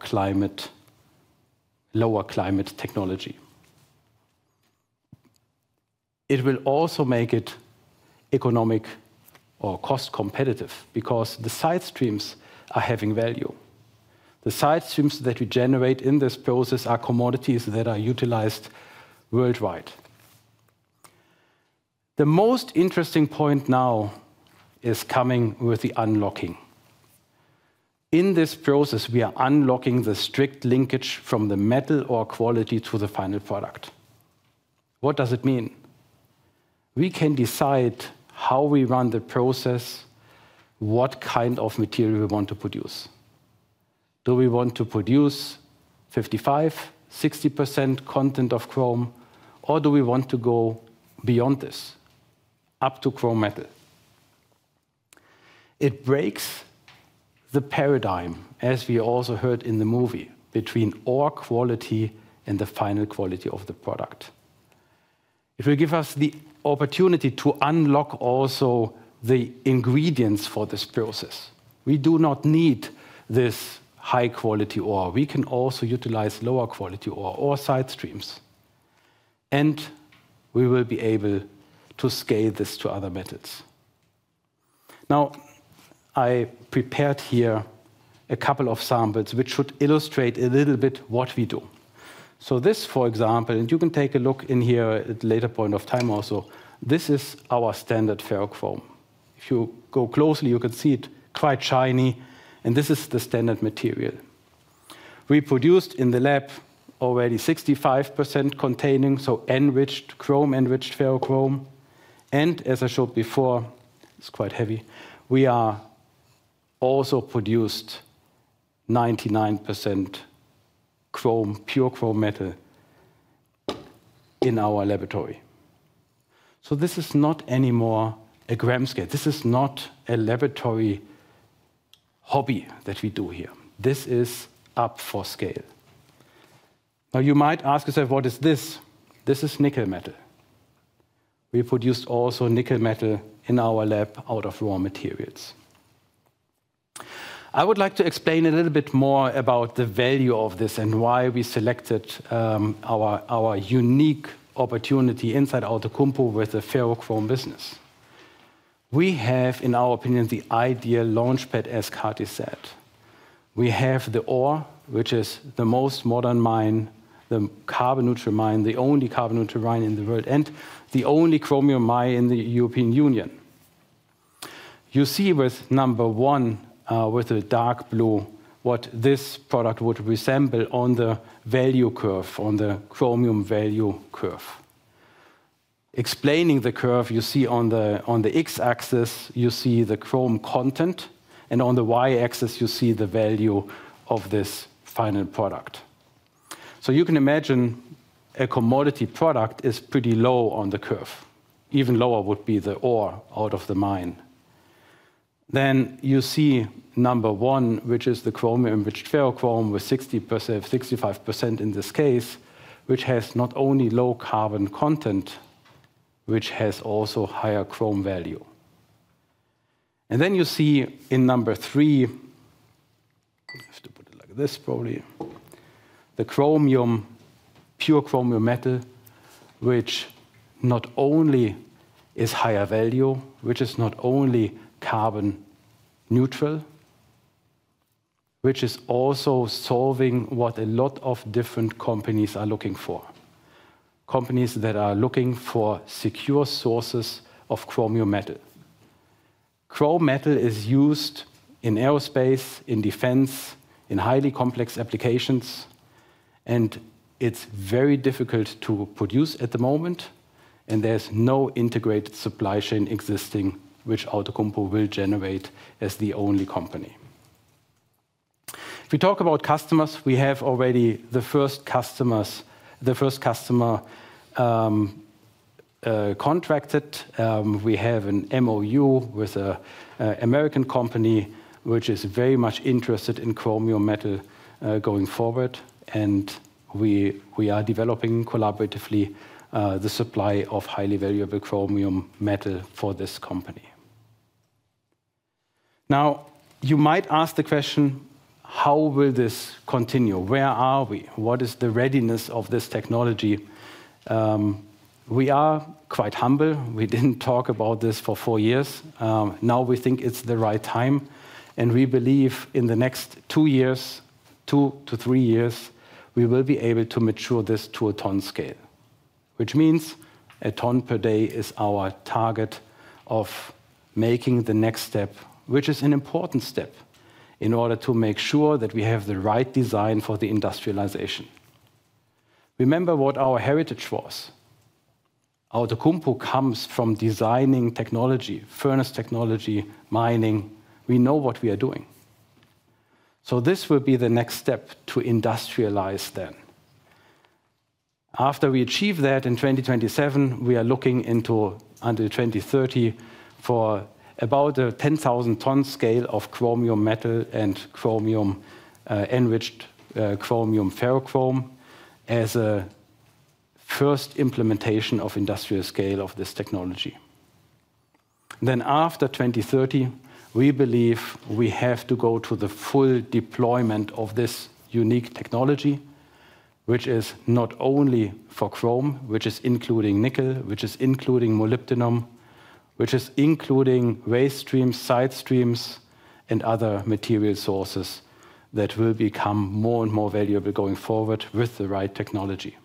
Speaker 4: lower climate technology. It will also make it economic or cost competitive because the side streams are having value. The side streams that we generate in this process are commodities that are utilized worldwide. The most interesting point now is coming with the unlocking. In this process, we are unlocking the strict linkage from the metal ore quality to the final product. What does it mean? We can decide how we run the process, what kind of material we want to produce. Do we want to produce 55%, 60% content of chrome, or do we want to go beyond this up to chrome metal? It breaks the paradigm, as we also heard in the movie, between ore quality and the final quality of the product. It will give us the opportunity to unlock also the ingredients for this process. We do not need this high-quality ore. We can also utilize lower-quality ore or side streams. We will be able to scale this to other metals. I prepared here a couple of samples which should illustrate a little bit what we do. This, for example, and you can take a look in here at a later point of time also. This is our standard ferrochrome. If you go closely, you can see it is quite shiny, and this is the standard material. We produced in the lab already 65% containing, so enriched chrome, enriched ferrochrome. As I showed before, it is quite heavy. We also produced 99% chrome, pure chrome metal in our laboratory. This is not anymore a gram scale. This is not a laboratory hobby that we do here. This is up for scale. You might ask yourself, what is this? This is nickel metal. We produced also nickel metal in our lab out of raw materials. I would like to explain a little bit more about the value of this and why we selected our unique opportunity inside Outokumpu with the ferrochrome business. We have, in our opinion, the ideal launchpad, as Kati said. We have the ore, which is the most modern mine, the carbon-neutral mine, the only carbon-neutral mine in the world, and the only chromium mine in the European Union. You see with number one, with the dark blue, what this product would resemble on the value curve, on the chromium value curve. Explaining the curve, you see on the X-axis, you see the chrome content, and on the Y-axis, you see the value of this final product. You can imagine a commodity product is pretty low on the curve. Even lower would be the ore out of the mine. You see number one, which is the chromium-enriched ferrochrome with 60%, 65% in this case, which has not only low carbon content, which has also higher chrome value. You see in number three, I have to put it like this, probably, the pure chromium metal, which not only is higher value, which is not only carbon neutral, which is also solving what a lot of different companies are looking for, companies that are looking for secure sources of chromium metal. Chrome metal is used in aerospace, in defense, in highly complex applications, and it is very difficult to produce at the moment, and there is no integrated supply chain existing, which Outokumpu will generate as the only company. If we talk about customers, we have already the first customer, the first customer contracted. We have an MOU with an American company, which is very much interested in chromium metal going forward, and we are developing collaboratively the supply of highly valuable chromium metal for this company. Now, you might ask the question, how will this continue? Where are we? What is the readiness of this technology? We are quite humble. We did not talk about this for four years. Now we think it is the right time, and we believe in the next two years, two to three years, we will be able to mature this to a ton scale, which means a ton per day is our target of making the next step, which is an important step in order to make sure that we have the right design for the industrialization. Remember what our heritage was. Outokumpu comes from designing technology, furnace technology, mining. We know what we are doing. This will be the next step to industrialize then. After we achieve that in 2027, we are looking into until 2030 for about a 10,000-ton scale of chromium metal and chromium-enriched chromium ferrochrome as a first implementation of industrial scale of this technology. After 2030, we believe we have to go to the full deployment of this unique technology, which is not only for chrome, which is including nickel, which is including molybdenum, which is including waste streams, side streams, and other material sources that will become more and more valuable going forward with the right technology.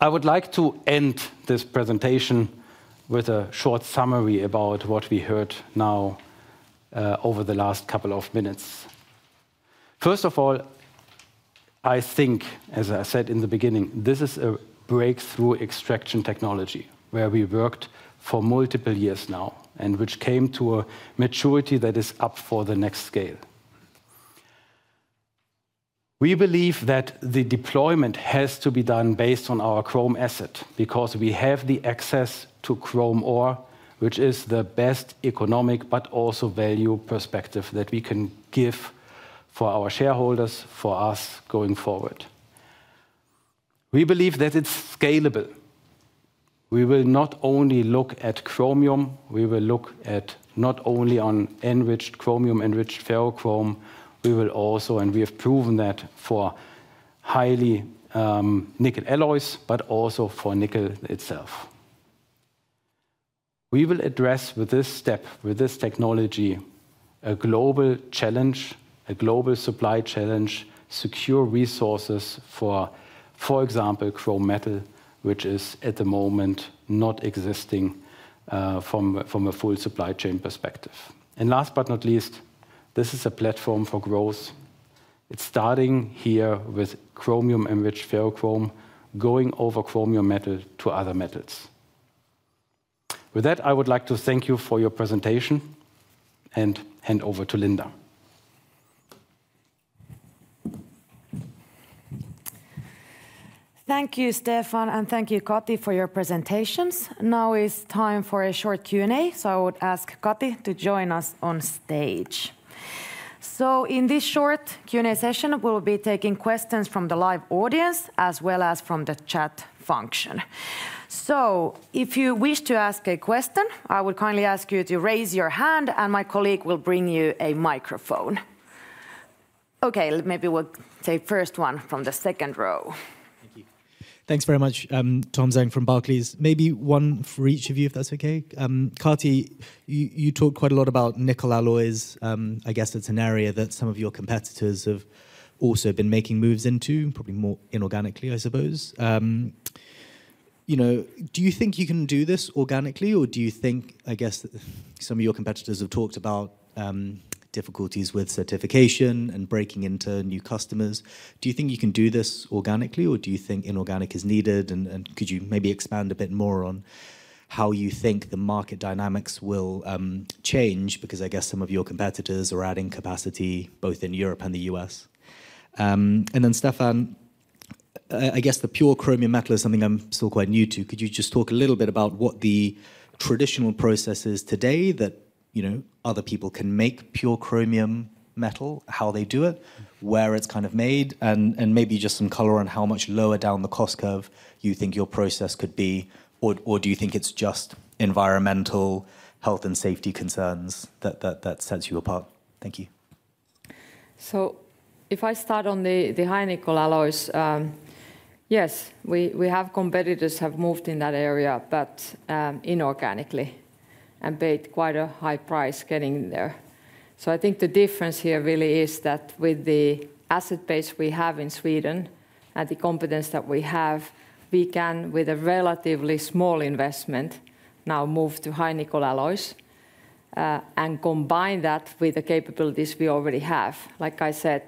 Speaker 4: I would like to end this presentation with a short summary about what we heard now over the last couple of minutes. First of all, I think, as I said in the beginning, this is a breakthrough extraction technology where we worked for multiple years now and which came to a maturity that is up for the next scale. We believe that the deployment has to be done based on our chrome asset because we have the access to chrome ore, which is the best economic but also value perspective that we can give for our shareholders, for us going forward. We believe that it's scalable. We will not only look at chromium. We will look at not only on enriched chromium, enriched ferrochrome. We will also, and we have proven that for highly nickel alloys, but also for nickel itself. We will address with this step, with this technology, a global challenge, a global supply challenge, secure resources for, for example, chrome metal, which is at the moment not existing from a full supply chain perspective. Last but not least, this is a platform for growth. It's starting here with chromium-enriched ferrochrome going over chromium metal to other metals. With that, I would like to thank you for your presentation and hand over to Linda.
Speaker 1: Thank you, Stefan, and thank you, Kati, for your presentations. Now it's time for a short Q&A, so I would ask Kati to join us on stage. In this short Q&A session, we'll be taking questions from the live audience as well as from the chat function. If you wish to ask a question, I would kindly ask you to raise your hand, and my colleague will bring you a microphone. Maybe we'll take the first one from the second row.
Speaker 5: Thank you. Thanks very much, Tom Zhang from Barclays. Maybe one for each of you, if that's okay. Kati, you talked quite a lot about nickel alloys. I guess it's an area that some of your competitors have also been making moves into, probably more inorganically, I suppose. Do you think you can do this organically, or do you think, I guess, some of your competitors have talked about difficulties with certification and breaking into new customers? Do you think you can do this organically, or do you think inorganic is needed? Could you maybe expand a bit more on how you think the market dynamics will change? I guess some of your competitors are adding capacity both in Europe and the U.S. Stefan, I guess the pure chromium metal is something I'm still quite new to. Could you just talk a little bit about what the traditional process is today that other people can make pure chromium metal, how they do it, where it's kind of made, and maybe just some color on how much lower down the cost curve you think your process could be? Or do you think it's just environmental health and safety concerns that set you apart? Thank you.
Speaker 3: If I start on the high-nickel alloys, yes, we have competitors who have moved in that area, but inorganically and paid quite a high price getting there. I think the difference here really is that with the asset base we have in Sweden and the competence that we have, we can, with a relatively small investment, now move to high-nickel alloys and combine that with the capabilities we already have. Like I said,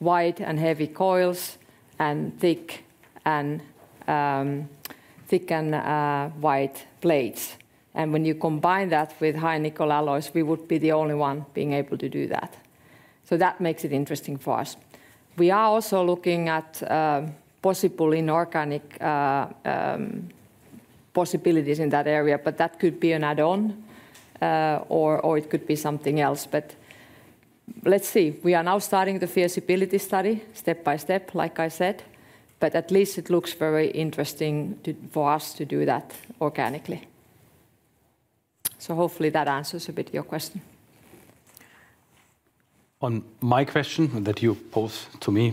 Speaker 3: wide and heavy coils and thick and wide blades. When you combine that with high-nickel alloys, we would be the only one being able to do that. That makes it interesting for us. We are also looking at possible inorganic possibilities in that area, but that could be an add-on or it could be something else. Let's see. We are now starting the feasibility study step by step, like I said, but at least it looks very interesting for us to do that organically. Hopefully that answers a bit your question.
Speaker 4: On my question that you posed to me,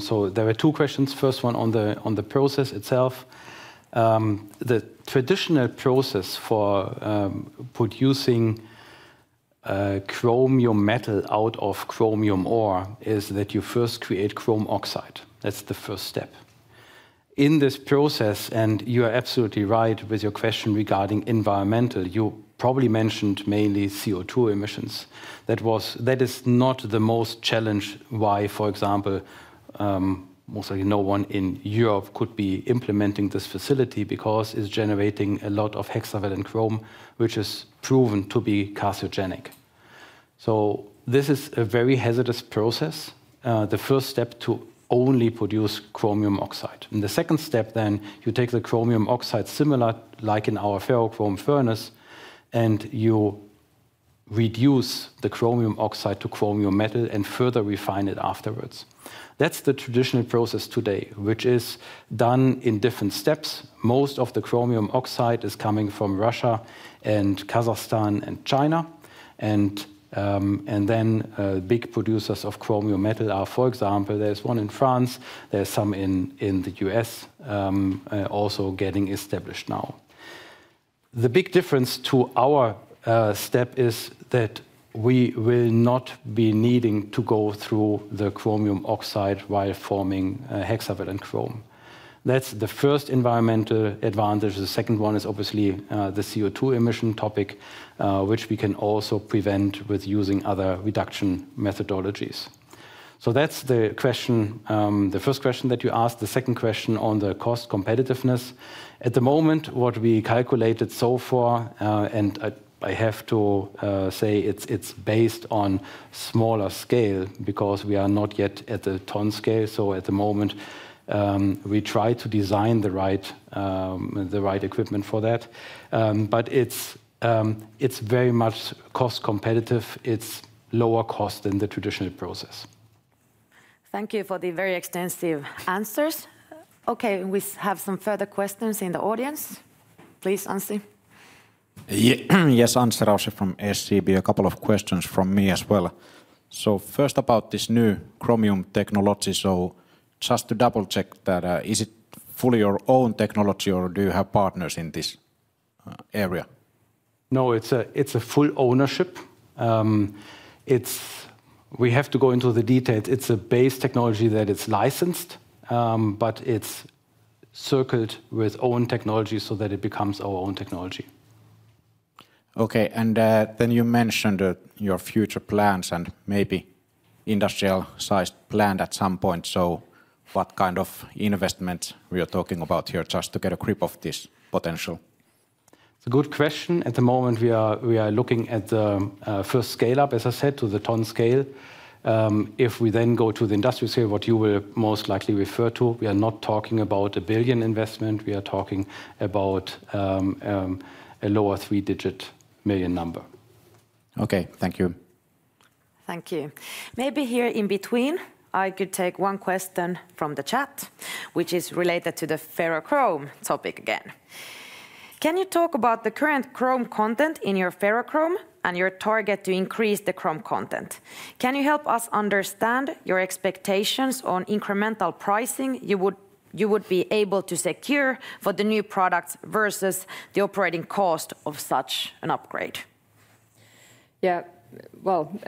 Speaker 4: so there were two questions. First one on the process itself. The traditional process for producing chromium metal out of chromium ore is that you first create chrome oxide. That's the first step. In this process, and you are absolutely right with your question regarding environmental, you probably mentioned mainly CO2 emissions. That is not the most challenged why, for example, mostly no one in Europe could be implementing this facility because it's generating a lot of hexavalent chrome, which is proven to be carcinogenic. This is a very hazardous process, the first step to only produce chromium oxide. The second step, then you take the chromium oxide, similar like in our ferrochrome furnace, and you reduce the chromium oxide to chromium metal and further refine it afterwards. That's the traditional process today, which is done in different steps. Most of the chromium oxide is coming from Russia and Kazakhstan and China. The big producers of chromium metal are, for example, there is one in France, there are some in the U.S. also getting established now. The big difference to our step is that we will not be needing to go through the chromium oxide while forming hexavalent chrome. That is the first environmental advantage. The second one is obviously the CO2 emission topic, which we can also prevent with using other reduction methodologies. That is the question, the first question that you asked. The second question on the cost competitiveness. At the moment, what we calculated so far, and I have to say it is based on smaller scale because we are not yet at the ton scale. At the moment, we try to design the right equipment for that. It is very much cost competitive. It's lower cost than the traditional process.
Speaker 1: Thank you for the very extensive answers. Okay, we have some further questions in the audience. Please, Anssi.
Speaker 6: Yes, Anssi Raussi from SEB. A couple of questions from me as well. First about this new chromium technology. Just to double-check that, is it fully your own technology or do you have partners in this area?
Speaker 4: No, it's a full ownership. We have to go into the details. It's a base technology that is licensed, but it's circled with own technology so that it becomes our own technology.
Speaker 6: Okay, and then you mentioned your future plans and maybe industrial-sized plan at some point. What kind of investment are we talking about here just to get a grip of this potential?
Speaker 4: It's a good question. At the moment, we are looking at the first scale-up, as I said, to the ton scale. If we then go to the industrial scale, what you will most likely refer to, we are not talking about a billion investment. We are talking about a lower three-digit million number.
Speaker 6: Okay, thank you.
Speaker 1: Thank you. Maybe here in between, I could take one question from the chat, which is related to the ferrochrome topic again. Can you talk about the current chrome content in your ferrochrome and your target to increase the chrome content? Can you help us understand your expectations on incremental pricing you would be able to secure for the new products versus the operating cost of such an upgrade?
Speaker 3: Yeah.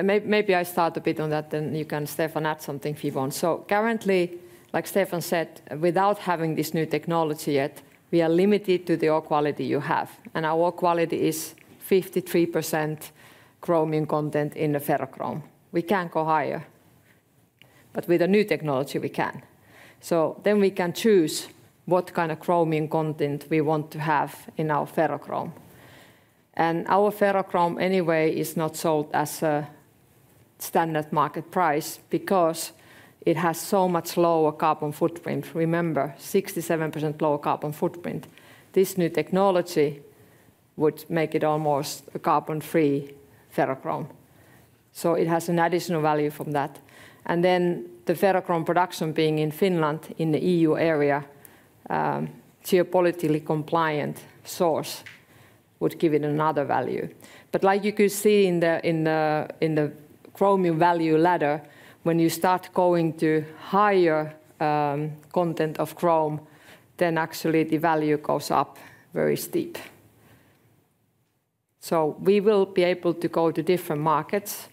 Speaker 3: Maybe I start a bit on that, then you can, Stefan, add something if you want. Currently, like Stefan said, without having this new technology yet, we are limited to the ore quality you have. Our ore quality is 53% chromium content in the ferrochrome. We cannot go higher. With the new technology, we can. Then we can choose what kind of chromium content we want to have in our ferrochrome. Our ferrochrome anyway is not sold as a standard market price because it has so much lower carbon footprint. Remember, 67% lower carbon footprint. This new technology would make it almost a carbon-free ferrochrome. It has an additional value from that. The ferrochrome production being in Finland, in the EU area, geopolitically compliant source would give it another value. Like you could see in the chromium value ladder, when you start going to higher content of chrome, actually the value goes up very steep. We will be able to go to different markets,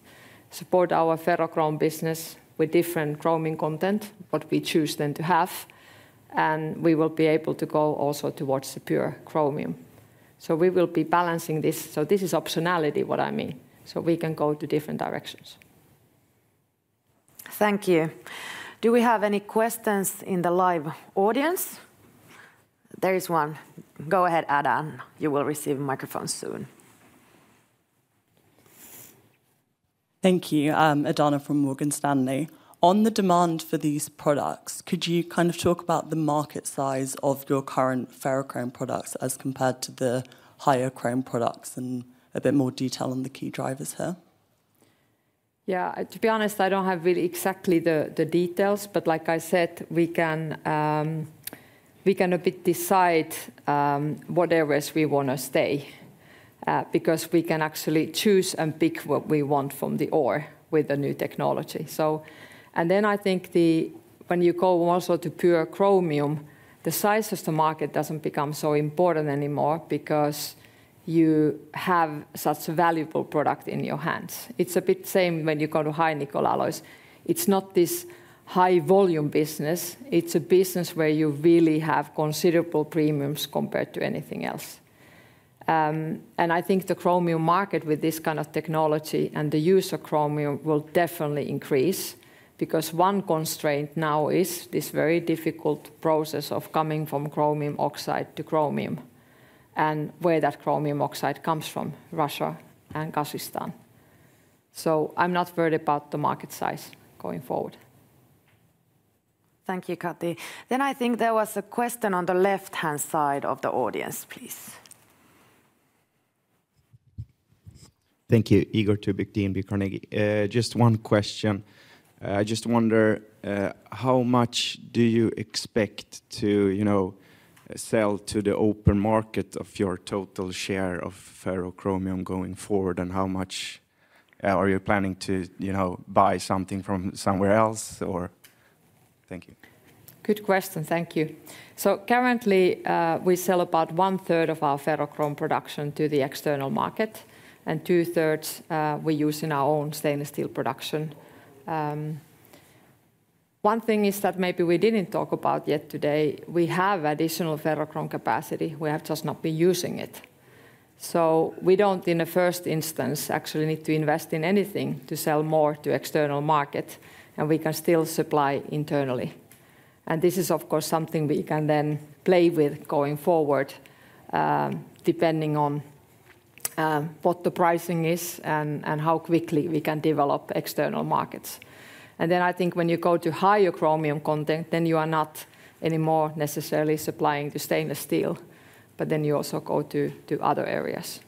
Speaker 3: support our ferrochrome business with different chromium content, what we choose then to have. We will be able to go also towards the pure chromium. We will be balancing this. This is optionality, what I mean. We can go to different directions.
Speaker 1: Thank you. Do we have any questions in the live audience? There is one. Go ahead, Adahna. You will receive a microphone soon.
Speaker 7: Thank you, Adahna from Morgan Stanley. On the demand for these products, could you kind of talk about the market size of your current ferrochrome products as compared to the higher chrome products and a bit more detail on the key drivers here?
Speaker 3: Yeah, to be honest, I don't have really exactly the details, but like I said, we can a bit decide what areas we want to stay because we can actually choose and pick what we want from the ore with the new technology. I think when you go also to pure chromium, the size of the market doesn't become so important anymore because you have such a valuable product in your hands. It's a bit the same when you go to high-nickel alloys. It's not this high-volume business. It's a business where you really have considerable premiums compared to anything else. I think the chromium market with this kind of technology and the use of chromium will definitely increase because one constraint now is this very difficult process of coming from chromium oxide to chromium and where that chromium oxide comes from, Russia and Kazakhstan. I'm not worried about the market size going forward.
Speaker 1: Thank you, Kati. I think there was a question on the left-hand side of the audience, please.
Speaker 8: Thank you, Igor Tubic, DNB Carnegie. Just one question. I just wonder how much do you expect to sell to the open market of your total share of ferrochrome going forward, and how much are you planning to buy something from somewhere else? Thank you.
Speaker 3: Good question. Thank you. Currently, we sell about 1/3 of our ferrochrome production to the external market, and 2/3 we use in our own stainless steel production. One thing is that maybe we did not talk about yet today. We have additional ferrochrome capacity. We have just not been using it. We do not, in the first instance, actually need to invest in anything to sell more to the external market, and we can still supply internally. This is, of course, something we can then play with going forward, depending on what the pricing is and how quickly we can develop external markets. I think when you go to higher chromium content, then you are not anymore necessarily supplying to stainless steel, but then you also go to other areas.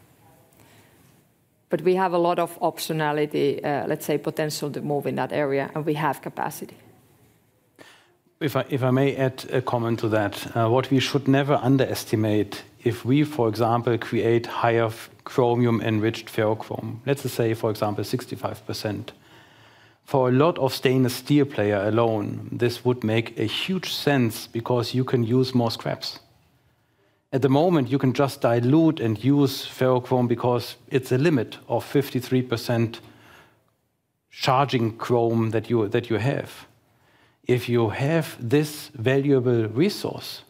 Speaker 3: We have a lot of optionality, let's say, potential to move in that area, and we have capacity.
Speaker 4: If I may add a comment to that, what we should never underestimate if we, for example, create higher chromium-enriched ferrochrome, let's say, for example, 65%. For a lot of stainless steel players alone, this would make a huge sense because you can use more scraps. At the moment, you can just dilute and use ferrochrome because it's a limit of 53% charging chrome that you have. If you have this valuable resource,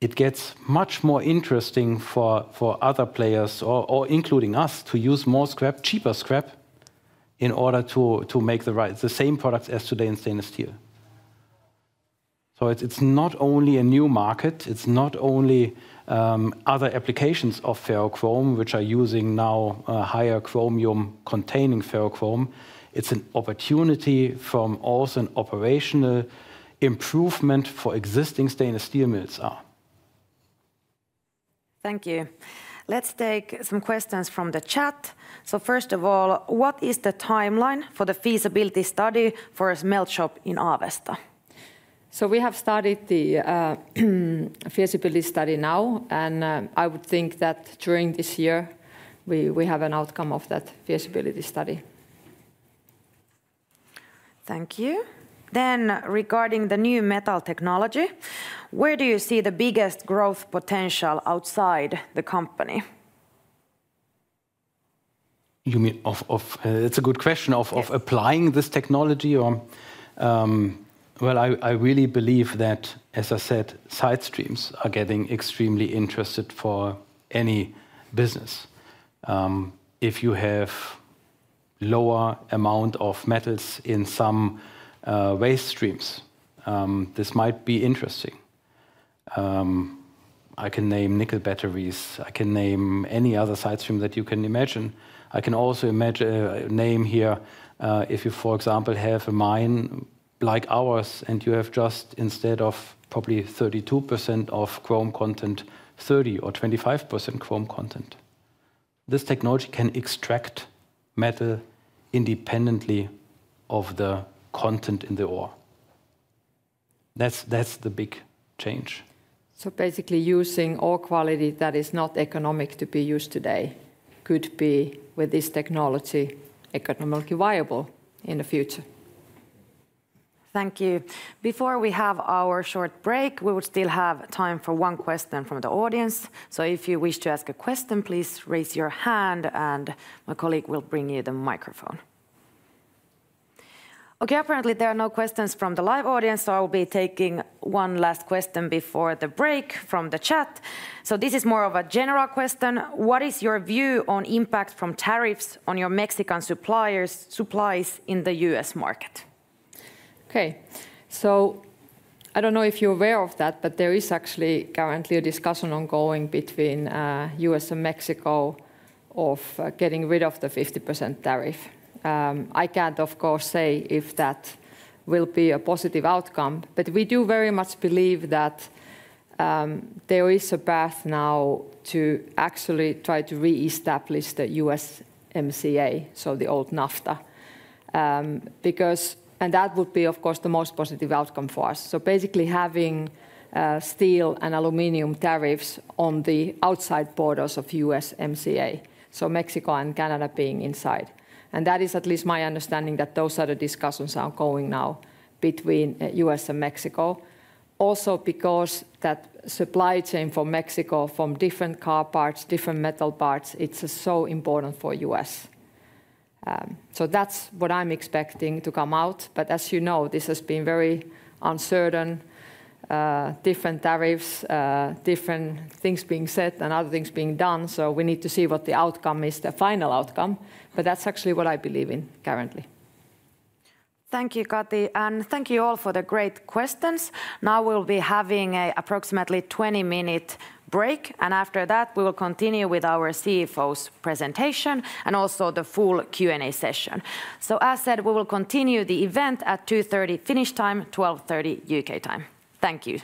Speaker 4: it gets much more interesting for other players, including us, to use more scrap, cheaper scrap, in order to make the same products as today in stainless steel. It is not only a new market. It is not only other applications of ferrochrome, which are using now higher chromium-containing ferrochrome. It is an opportunity from also an operational improvement for existing stainless steel mills.
Speaker 1: Thank you. Let's take some questions from the chat. First of all, what is the timeline for the feasibility study for a smelt shop in Avesta?
Speaker 3: We have started the feasibility study now, and I would think that during this year, we have an outcome of that feasibility study.
Speaker 1: Thank you. Regarding the new metal technology, where do you see the biggest growth potential outside the company?
Speaker 4: You mean of? It's a good question of applying this technology. I really believe that, as I said, side streams are getting extremely interesting for any business. If you have a lower amount of metals in some waste streams, this might be interesting. I can name nickel batteries. I can name any other side stream that you can imagine. I can also name here if you, for example, have a mine like ours and you have just instead of probably 32% of chrome content, 30% or 25% chrome content. This technology can extract metal independently of the content in the ore. That's the big change.
Speaker 3: Basically, using ore quality that is not economic to be used today could be, with this technology, economically viable in the future.
Speaker 1: Thank you. Before we have our short break, we would still have time for one question from the audience. If you wish to ask a question, please raise your hand and my colleague will bring you the microphone. Apparently, there are no questions from the live audience, so I will be taking one last question before the break from the chat. This is more of a general question. What is your view on impact from tariffs on your Mexican supplies in the U.S. market?
Speaker 3: I do not know if you are aware of that, but there is actually currently a discussion ongoing between the U.S. and Mexico of getting rid of the 50% tariff. I can't, of course, say if that will be a positive outcome, but we do very much believe that there is a path now to actually try to re-establish the USMCA, so the old NAFTA, because that would be, of course, the most positive outcome for us. Basically having steel and aluminum tariffs on the outside borders of USMCA, so Mexico and Canada being inside. That is at least my understanding that those are the discussions that are going now between the U.S. and Mexico. Also because that supply chain for Mexico from different car parts, different metal parts, it's so important for the U.S. That's what I'm expecting to come out. As you know, this has been very uncertain, different tariffs, different things being said and other things being done. We need to see what the outcome is, the final outcome, but that's actually what I believe in currently.
Speaker 1: Thank you, Kati, and thank you all for the great questions. Now we'll be having an approximately 20-minute break, and after that, we will continue with our CFO's presentation and also the full Q&A session. As said, we will continue the event at 2:30 P.M. Finnish time, 12:30 P.M. UK time. Thank you.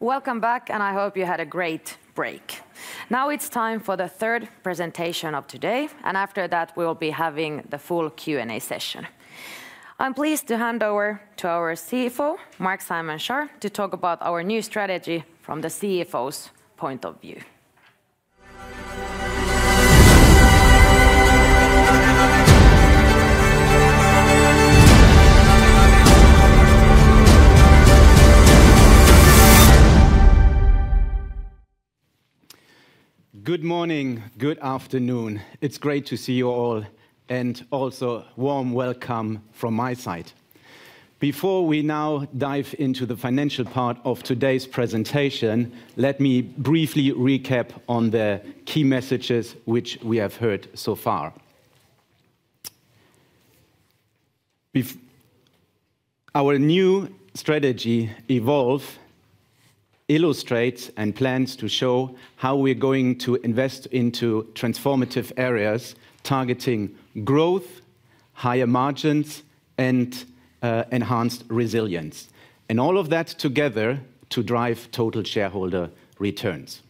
Speaker 1: Welcome back, and I hope you had a great break. Now it's time for the third presentation of today, and after that, we will be having the full Q&A session. I'm pleased to hand over to our CFO, Marc-Simon Schaar, to talk about our new strategy from the CFO's point of view.
Speaker 9: Good morning, good afternoon. It's great to see you all, and also a warm welcome from my side. Before we now dive into the financial part of today's presentation, let me briefly recap on the key messages which we have heard so far. Our new strategy EVOLVE, illustrates, and plans to show how we're going to invest into transformative areas targeting growth, higher margins, and enhanced resilience, and all of that together to drive total shareholder returns.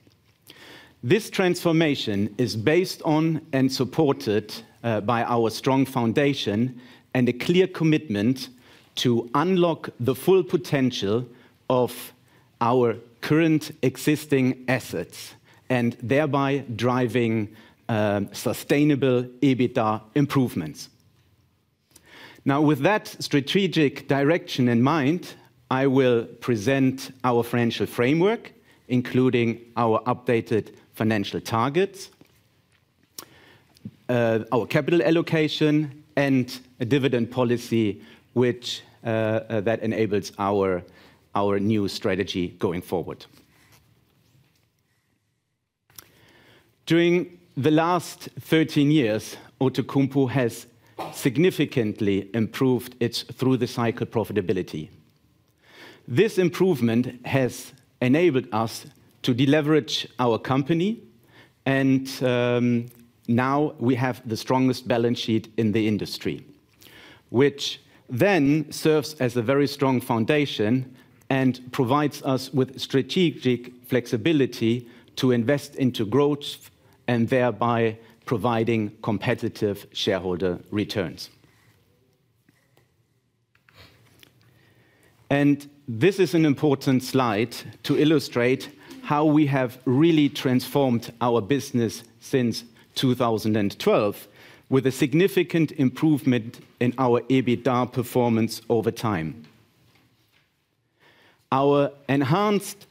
Speaker 9: This transformation is based on and supported by our strong foundation and a clear commitment to unlock the full potential of our current existing assets and thereby driving sustainable EBITDA improvements. Now, with that strategic direction in mind, I will present our financial framework, including our updated financial targets, our capital allocation, and a dividend policy which enables our new strategy going forward. During the last 13 years, Outokumpu has significantly improved its through-the-cycle profitability. This improvement has enabled us to deleverage our company, and now we have the strongest balance sheet in the industry, which then serves as a very strong foundation and provides us with strategic flexibility to invest into growth and thereby providing competitive shareholder returns. This is an important slide to illustrate how we have really transformed our business since 2012, with a significant improvement in our EBITDA performance over time. Our enhanced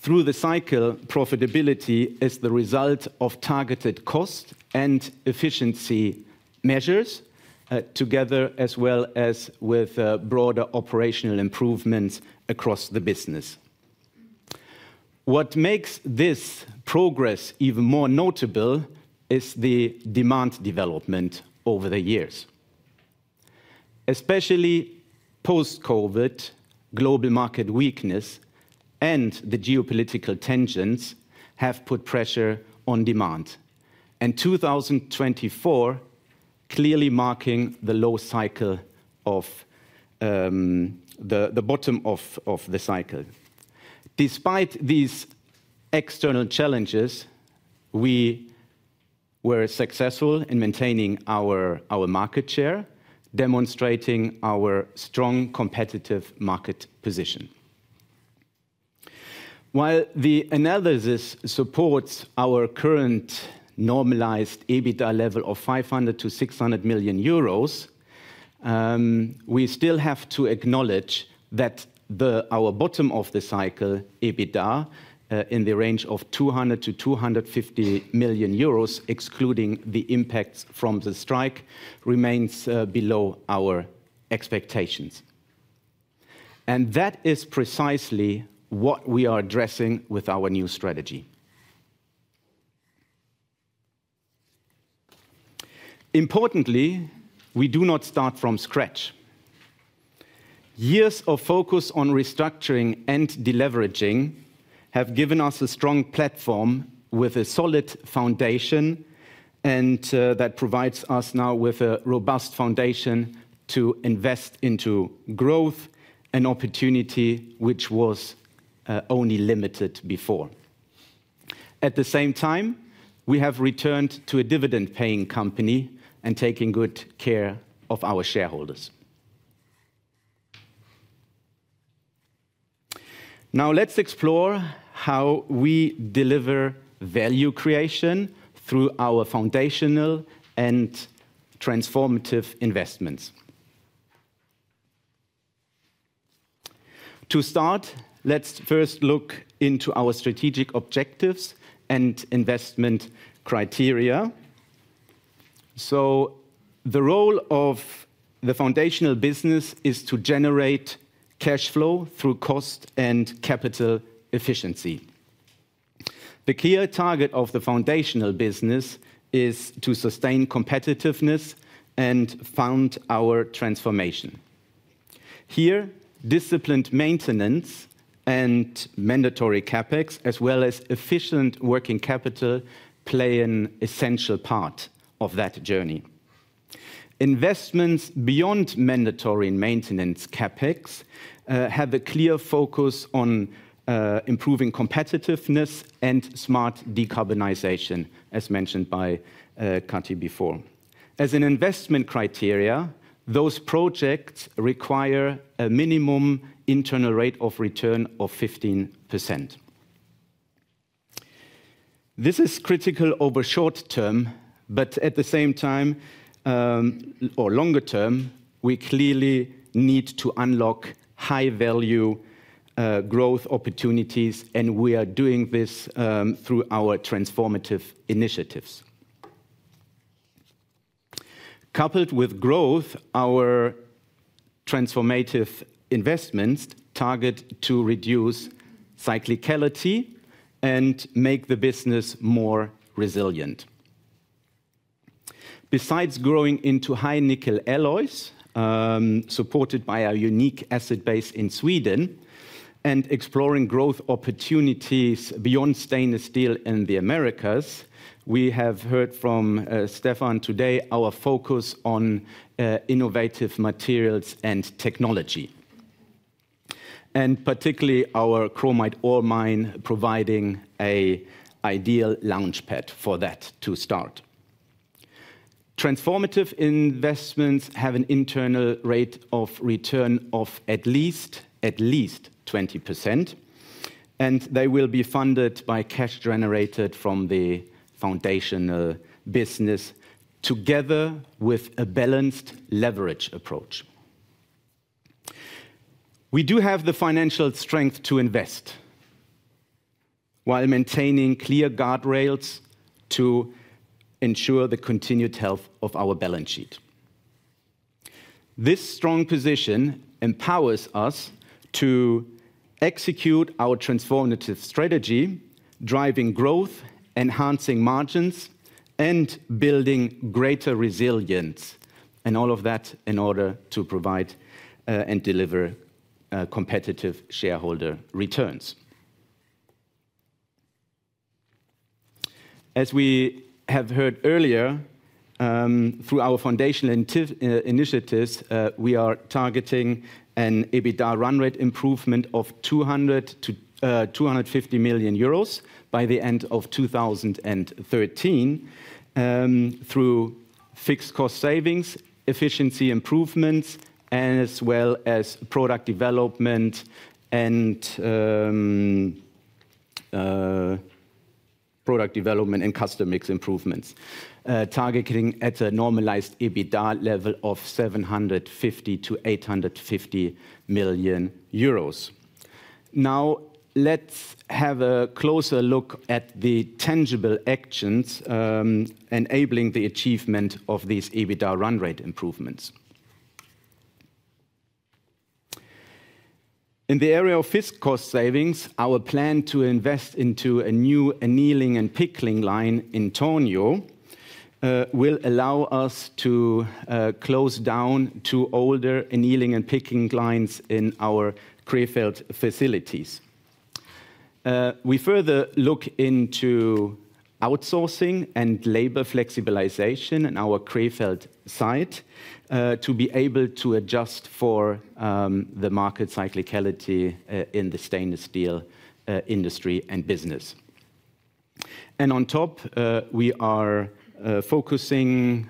Speaker 9: through-the-cycle profitability is the result of targeted cost and efficiency measures together, as well as with broader operational improvements across the business. What makes this progress even more notable is the demand development over the years. Especially post-Covid, global market weakness and the geopolitical tensions have put pressure on demand, and 2024 clearly marking the low cycle of the bottom of the cycle. Despite these external challenges, we were successful in maintaining our market share, demonstrating our strong competitive market position. While the analysis supports our current normalized EBITDA level of 500 million-600 million euros, we still have to acknowledge that our bottom of the cycle EBITDA in the range of 200 million-250 million euros, excluding the impacts from the strike, remains below our expectations. That is precisely what we are addressing with our new strategy. Importantly, we do not start from scratch. Years of focus on restructuring and deleveraging have given us a strong platform with a solid foundation, and that provides us now with a robust foundation to invest into growth and opportunity, which was only limited before. At the same time, we have returned to a dividend-paying company and taken good care of our shareholders. Now, let's explore how we deliver value creation through our foundational and transformative investments. To start, let's first look into our strategic objectives and investment criteria. The role of the foundational business is to generate cash flow through cost and capital efficiency. The clear target of the foundational business is to sustain competitiveness and fund our transformation. Here, disciplined maintenance and mandatory CapEx, as well as efficient working capital, play an essential part of that journey. Investments beyond mandatory maintenance CapEx have a clear focus on improving competitiveness and smart decarbonization, as mentioned by Kati before. As an investment criteria, those projects require a minimum internal rate of return of 15%. This is critical over short term, but at the same time, or longer term, we clearly need to unlock high-value growth opportunities, and we are doing this through our transformative initiatives. Coupled with growth, our transformative investments target to reduce cyclicality and make the business more resilient. Besides growing into high-nickel alloys, supported by our unique asset base in Sweden, and exploring growth opportunities beyond stainless steel in the Americas, we have heard from Stefan today our focus on innovative materials and technology, and particularly our chromite ore mine providing an ideal launchpad for that to start. Transformative investments have an internal rate of return of at least 20%, and they will be funded by cash generated from the foundational business together with a balanced leverage approach. We do have the financial strength to invest while maintaining clear guardrails to ensure the continued health of our balance sheet. This strong position empowers us to execute our transformative strategy, driving growth, enhancing margins, and building greater resilience, and all of that in order to provide and deliver competitive shareholder returns. As we have heard earlier, through our foundational initiatives, we are targeting an EBITDA run rate improvement of 250 million euros by the end of 2013 through fixed cost savings, efficiency improvements, as well as product development and customer mix improvements, targeting at a normalized EBITDA level of 750 million-850 million euros. Now, let's have a closer look at the tangible actions enabling the achievement of these EBITDA run rate improvements. In the area of fixed cost savings, our plan to invest into a new annealing and pickling line in Tornio will allow us to close down two older annealing and pickling lines in our Krefeld facilities. We further look into outsourcing and labor flexibilization in our Krefeld site to be able to adjust for the market cyclicality in the stainless steel industry and business. We are focusing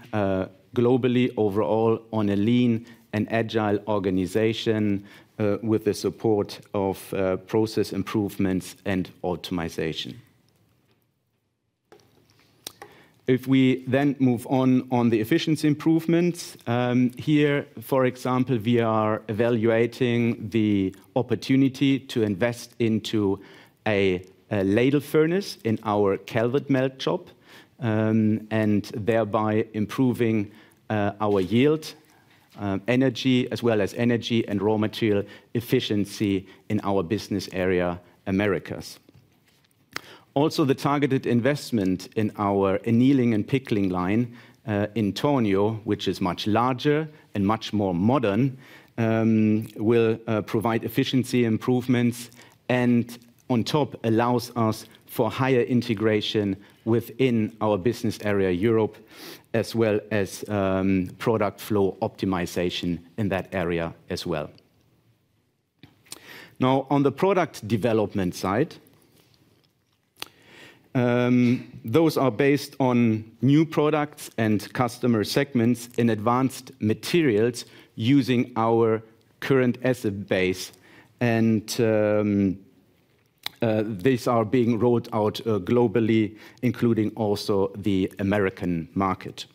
Speaker 9: globally overall on a lean and agile organization with the support of process improvements and optimization. If we then move on to the efficiency improvements, here, for example, we are evaluating the opportunity to invest into a ladle furnace in our Calvert melt shop and thereby improving our yield, energy, as well as energy and raw material efficiency in our business area, Americas. Also, the targeted investment in our annealing and pickling line in Tornio, which is much larger and much more modern, will provide efficiency improvements and on top allows us for higher integration within our business area Europe, as well as product flow optimization in that area as well. Now, on the product development side, those are based on new products and customer segments in advanced materials using our current asset base, and these are being rolled out globally, including also the American market.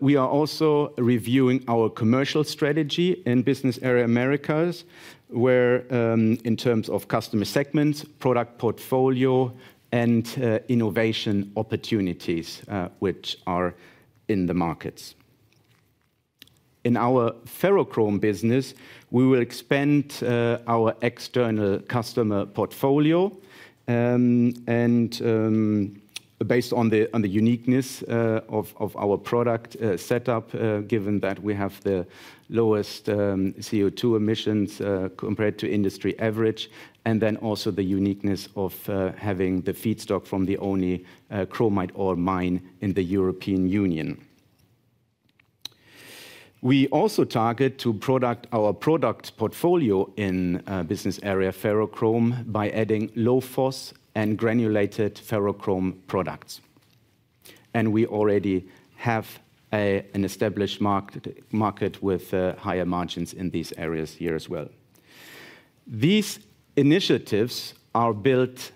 Speaker 9: We are also reviewing our commercial strategy in business area Americas, where in terms of customer segments, product portfolio, and innovation opportunities which are in the markets. In our ferrochrome business, we will expand our external customer portfolio based on the uniqueness of our product setup, given that we have the lowest CO2 emissions compared to industry average, and then also the uniqueness of having the feedstock from the only chromite ore mine in the European Union. We also target to broaden our product portfolio in business area ferrochrome by adding low-fos and granulated ferrochrome products. And we already have an established market with higher margins in these areas here as well. These initiatives are built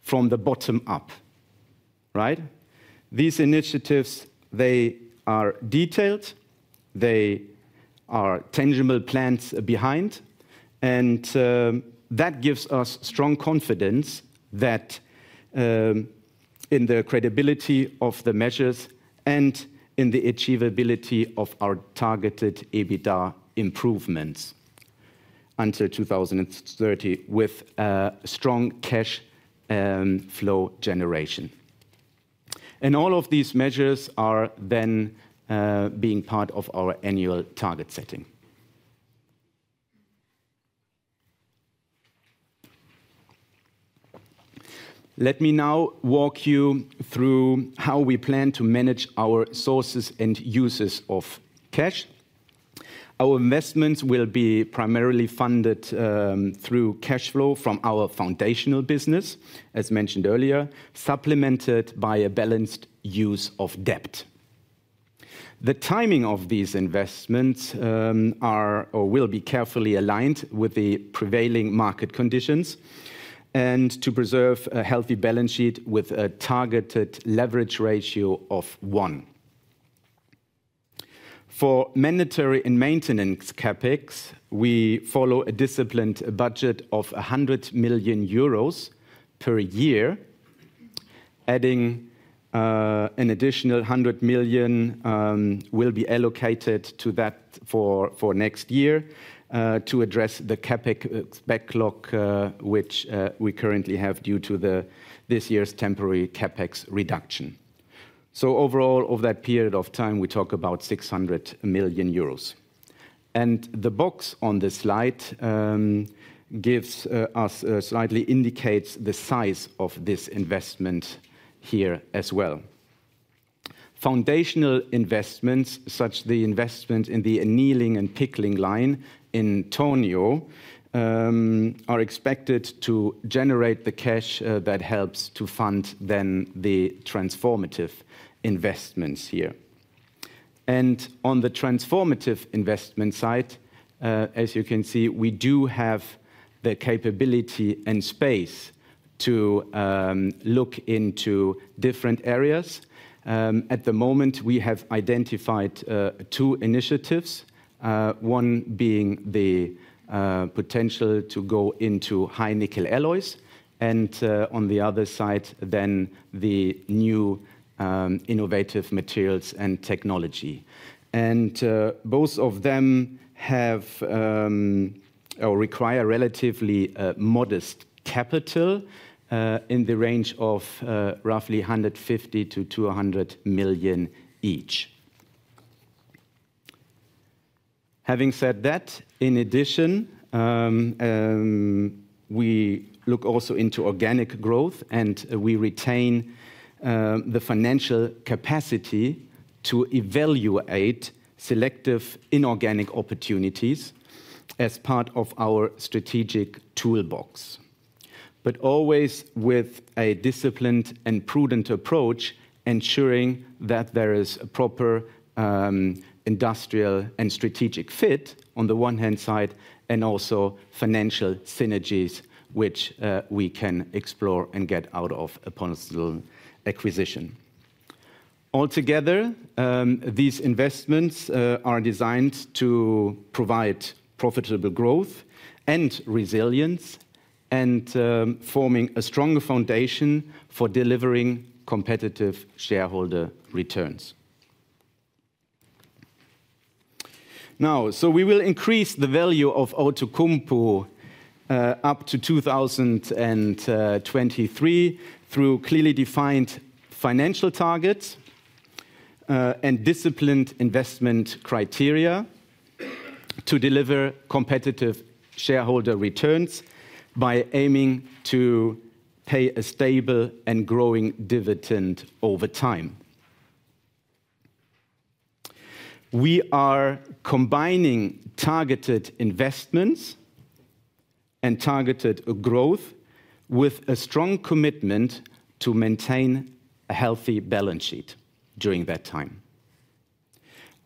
Speaker 9: from the bottom up, right? These initiatives, they are detailed, they are tangible plans behind, and that gives us strong confidence in the credibility of the measures and in the achievability of our targeted EBITDA improvements until 2030 with strong cash flow generation. All of these measures are then being part of our annual target setting. Let me now walk you through how we plan to manage our sources and uses of cash. Our investments will be primarily funded through cash flow from our foundational business, as mentioned earlier, supplemented by a balanced use of debt. The timing of these investments will be carefully aligned with the prevailing market conditions and to preserve a healthy balance sheet with a targeted leverage ratio of 1. For mandatory and maintenance CapEx, we follow a disciplined budget of 100 million euros per year. Adding an additional 100 million will be allocated to that for next year to address the CapEx backlog, which we currently have due to this year's temporary CapEx reduction. Overall, over that period of time, we talk about 600 million euros. The box on the slide gives us, slightly indicates the size of this investment here as well. Foundational investments, such as the investment in the annealing and pickling line in Tornio, are expected to generate the cash that helps to fund then the transformative investments here. On the transformative investment side, as you can see, we do have the capability and space to look into different areas. At the moment, we have identified two initiatives, one being the potential to go into high-nickel alloys and on the other side then the new innovative materials and technology. Both of them require relatively modest capital in the range of roughly 150 million-200 million each. Having said that, in addition, we look also into organic growth and we retain the financial capacity to evaluate selective inorganic opportunities as part of our strategic toolbox. Always with a disciplined and prudent approach, ensuring that there is a proper industrial and strategic fit on the one hand side and also financial synergies which we can explore and get out of a possible acquisition. Altogether, these investments are designed to provide profitable growth and resilience and forming a stronger foundation for delivering competitive shareholder returns. We will increase the value of Outokumpu up to 2023 through clearly defined financial targets and disciplined investment criteria to deliver competitive shareholder returns by aiming to pay a stable and growing dividend over time. We are combining targeted investments and targeted growth with a strong commitment to maintain a healthy balance sheet during that time.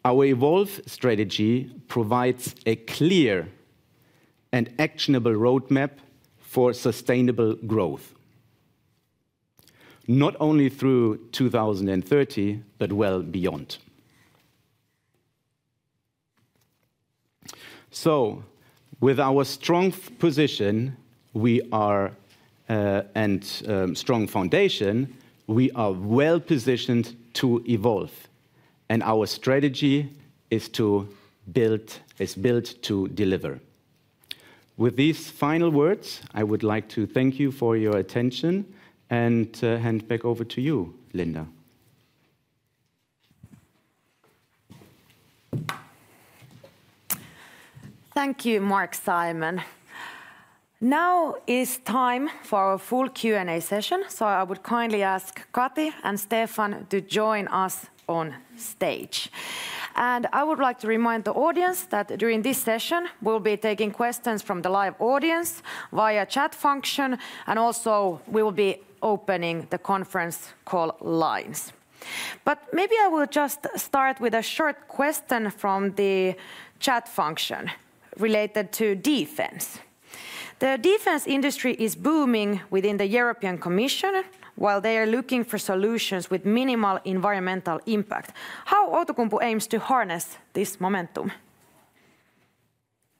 Speaker 9: Our EVOLVE strategy provides a clear and actionable roadmap for sustainable growth, not only through 2030, but well beyond. With our strong position and strong foundation, we are well positioned to evolve and our strategy is built to deliver. With these final words, I would like to thank you for your attention and hand back over to you, Linda.
Speaker 1: Thank you, Marc-Simon. Now is time for our full Q&A session, so I would kindly ask Kati and Stefan to join us on stage. I would like to remind the audience that during this session, we'll be taking questions from the live audience via chat function, and also we will be opening the conference call lines. Maybe I will just start with a short question from the chat function related to defense. The defense industry is booming within the European Commission while they are looking for solutions with minimal environmental impact. How Outokumpu aims to harness this momentum?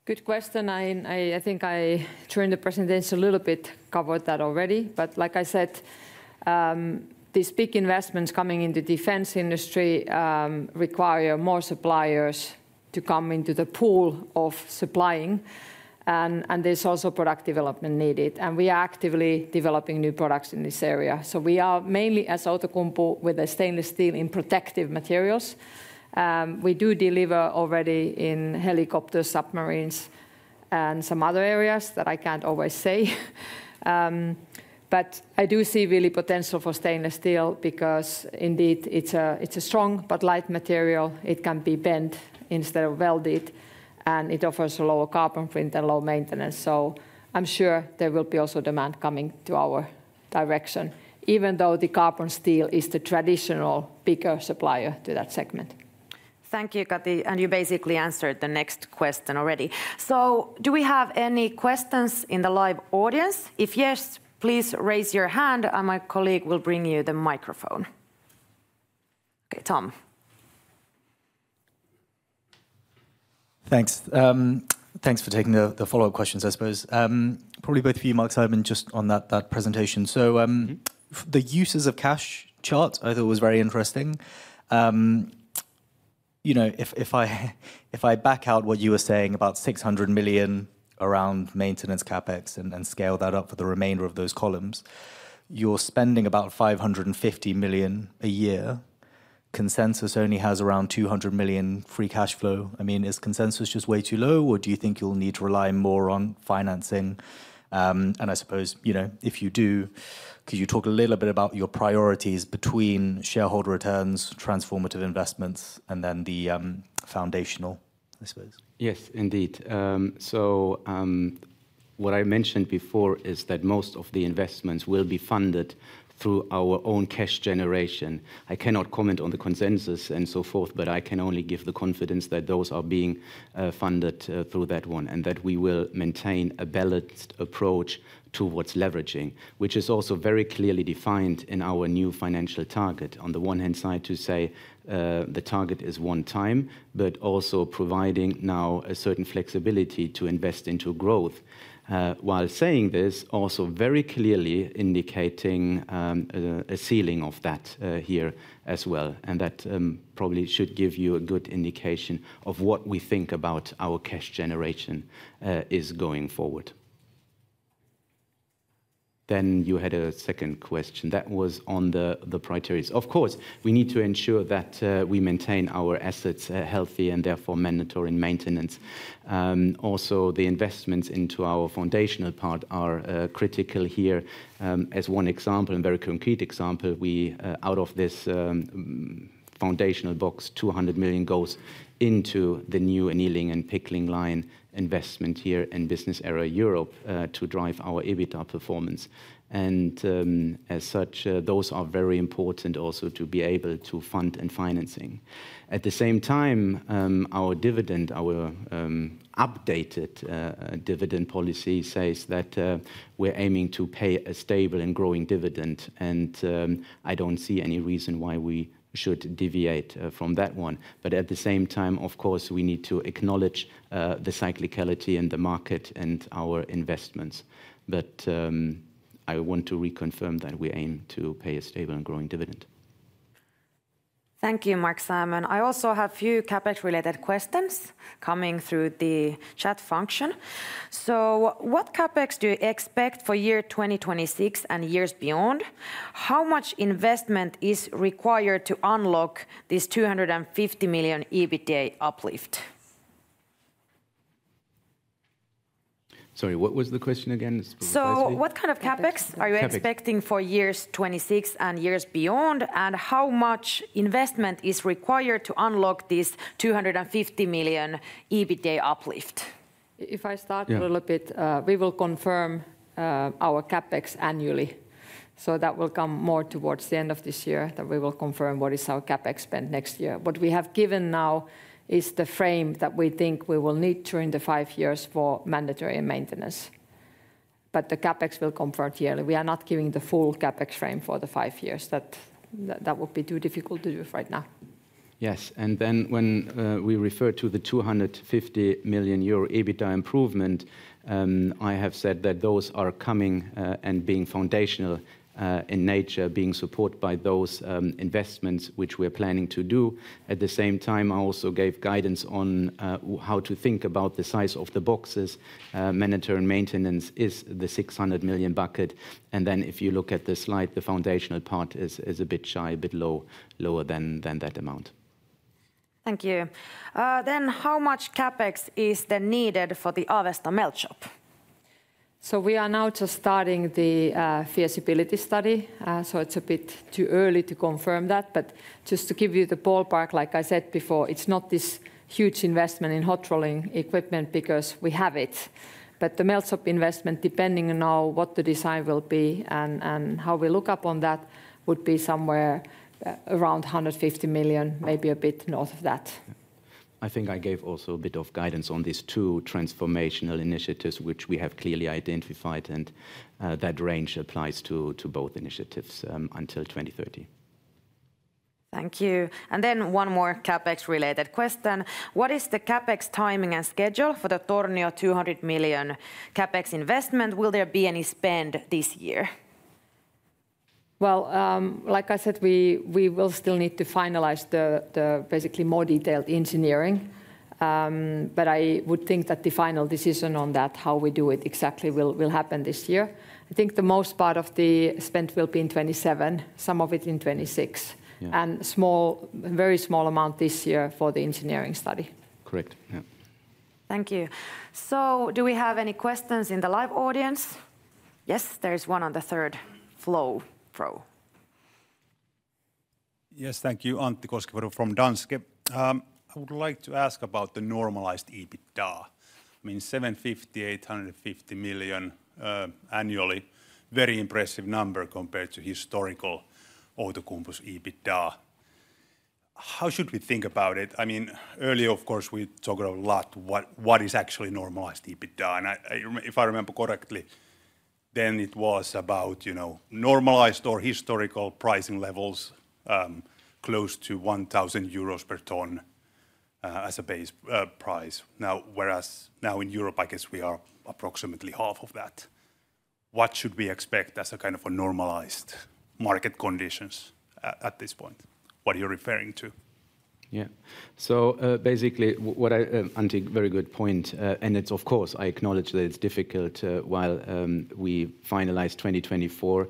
Speaker 3: Good question. I think I turned the presentation a little bit covered that already, but like I said, these big investments coming into the defense industry require more suppliers to come into the pool of supplying, and there is also product development needed. We are actively developing new products in this area. We are mainly as Outokumpu with the stainless steel in protective materials. We do deliver already in helicopters, submarines, and some other areas that I cannot always say. I do see really potential for stainless steel because indeed it is a strong but light material. It can be bent instead of welded, and it offers a lower carbon print and low maintenance. I am sure there will be also demand coming to our direction, even though the carbon steel is the traditional bigger supplier to that segment.
Speaker 1: Thank you, Kati. You basically answered the next question already. Do we have any questions in the live audience? If yes, please raise your hand and my colleague will bring you the microphone. Okay, Tom.
Speaker 5: Thanks. Thanks for taking the follow-up questions, I suppose. Probably both of you, Marc-Simon, just on that presentation. The uses of cash charts, I thought, were very interesting. If I back out what you were saying about 600 million around maintenance CapEx and scale that up for the remainder of those columns, you are spending about 550 million a year. Consensus only has around 200 million free cash flow. I mean, is consensus just way too low, or do you think you'll need to rely more on financing? I suppose if you do, could you talk a little bit about your priorities between shareholder returns, transformative investments, and then the foundational, I suppose?
Speaker 9: Yes, indeed. What I mentioned before is that most of the investments will be funded through our own cash generation. I cannot comment on the consensus and so forth, but I can only give the confidence that those are being funded through that one and that we will maintain a balanced approach to what is leveraging, which is also very clearly defined in our new financial target. On the one hand side, the target is one time, but also providing now a certain flexibility to invest into growth. While saying this, also very clearly indicating a ceiling of that here as well. That probably should give you a good indication of what we think about our cash generation going forward. You had a second question that was on the priorities. Of course, we need to ensure that we maintain our assets healthy and therefore mandatory maintenance. Also, the investments into our foundational part are critical here. As one example, a very concrete example, out of this foundational box, 200 million goes into the new annealing and pickling line investment here in business area Europe to drive our EBITDA performance. As such, those are very important also to be able to fund and finance. At the same time, our dividend, our updated dividend policy says that we are aiming to pay a stable and growing dividend, and I do not see any reason why we should deviate from that one. At the same time, of course, we need to acknowledge the cyclicality in the market and our investments. I want to reconfirm that we aim to pay a stable and growing dividend.
Speaker 1: Thank you, Marc-Simon. I also have a few CapEx-related questions coming through the chat function. What CapEx do you expect for year 2026 and years beyond? How much investment is required to unlock this 250 million EBITDA uplift?
Speaker 9: Sorry, what was the question again?
Speaker 1: What kind of CapEx are you expecting for years 2026 and years beyond, and how much investment is required to unlock this 250 million EBITDA uplift?
Speaker 3: If I start a little bit, we will confirm our CapEx annually. That will come more towards the end of this year when we will confirm what is our CapEx spend next year. What we have given now is the frame that we think we will need during the five years for mandatory maintenance. The CapEx will come forward yearly. We are not giving the full CapEx frame for the five years. That would be too difficult to do right now.
Speaker 9: Yes. When we refer to the 250 million euro EBITDA improvement, I have said that those are coming and being foundational in nature, being supported by those investments which we are planning to do. At the same time, I also gave guidance on how to think about the size of the boxes. Mandatory maintenance is the 600 million bucket. If you look at the slide, the foundational part is a bit shy, a bit lower than that amount.
Speaker 1: Thank you. How much CapEx is there needed for the Avesta melt shop?
Speaker 3: We are now just starting the feasibility study. It is a bit too early to confirm that. Just to give you the ballpark, like I said before, it is not this huge investment in hot rolling equipment because we have it. The melt shop investment, depending on what the design will be and how we look upon that, would be somewhere around 150 million, maybe a bit north of that.
Speaker 9: I think I gave also a bit of guidance on these two transformational initiatives, which we have clearly identified, and that range applies to both initiatives until 2030.
Speaker 1: Thank you. One more CapEx-related question. What is the CapEx timing and schedule for the Tornio 200 million CapEx investment? Will there be any spend this year?
Speaker 3: Like I said, we will still need to finalize the basically more detailed engineering. I would think that the final decision on that, how we do it exactly, will happen this year. I think the most part of the spend will be in 2027, some of it in 2026, and a very small amount this year for the engineering study.
Speaker 9: Correct.
Speaker 1: Thank you. Do we have any questions in the live audience? Yes, there is one on the third floor.
Speaker 10: Yes, thank you. Antti Koskivuori from Danske. I would like to ask about the normalized EBITDA. I mean, 750 million-850 million annually, very impressive number compared to historical Outokumpu's EBITDA. How should we think about it? I mean, earlier, of course, we talked a lot about what is actually normalized EBITDA. And if I remember correctly, then it was about normalized or historical pricing levels close to 1,000 euros per ton as a base price. Now, whereas now in Europe, I guess we are approximately half of that. What should we expect as a kind of normalized market conditions at this point? What are you referring to?
Speaker 9: Yeah. So basically, Antti, very good point. And it's, of course, I acknowledge that it's difficult while we finalize 2024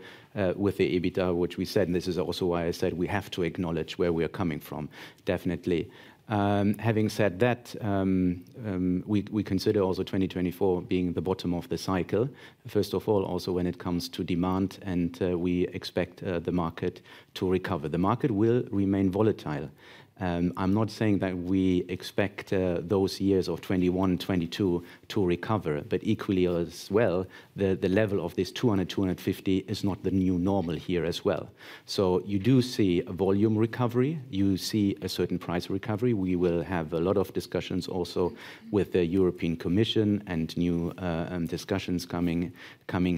Speaker 9: with the EBITDA, which we said, and this is also why I said we have to acknowledge where we are coming from. Definitely. Having said that, we consider also 2024 being the bottom of the cycle, first of all, also when it comes to demand, and we expect the market to recover. The market will remain volatile. I'm not saying that we expect those years of 2021, 2022 to recover, but equally as well, the level of this 200 million-250 million is not the new normal here as well. You do see a volume recovery. You see a certain price recovery. We will have a lot of discussions also with the European Commission and new discussions coming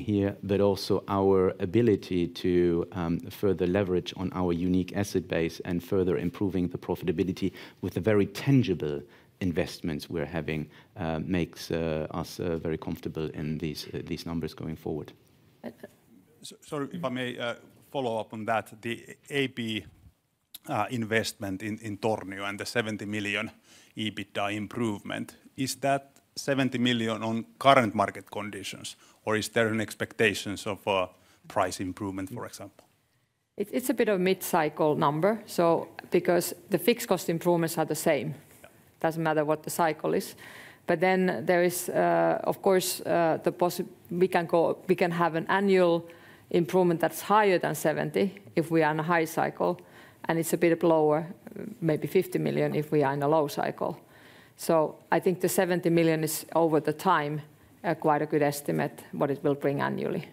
Speaker 9: here, but also our ability to further leverage on our unique asset base and further improving the profitability with the very tangible investments we are having makes us very comfortable in these numbers going forward.
Speaker 10: Sorry, if I may follow up on that, the AB investment in Tornio and the 70 million EBITDA improvement, is that 70 million on current market conditions, or is there an expectation of price improvement, for example?
Speaker 3: It is a bit of a mid-cycle number, because the fixed cost improvements are the same. It does not matter what the cycle is. But then there is, of course, the possibility we can have an annual improvement that's higher than 70 million if we are in a high cycle, and it's a bit lower, maybe 50 million if we are in a low cycle. I think the 70 million is over the time quite a good estimate what it will bring annually.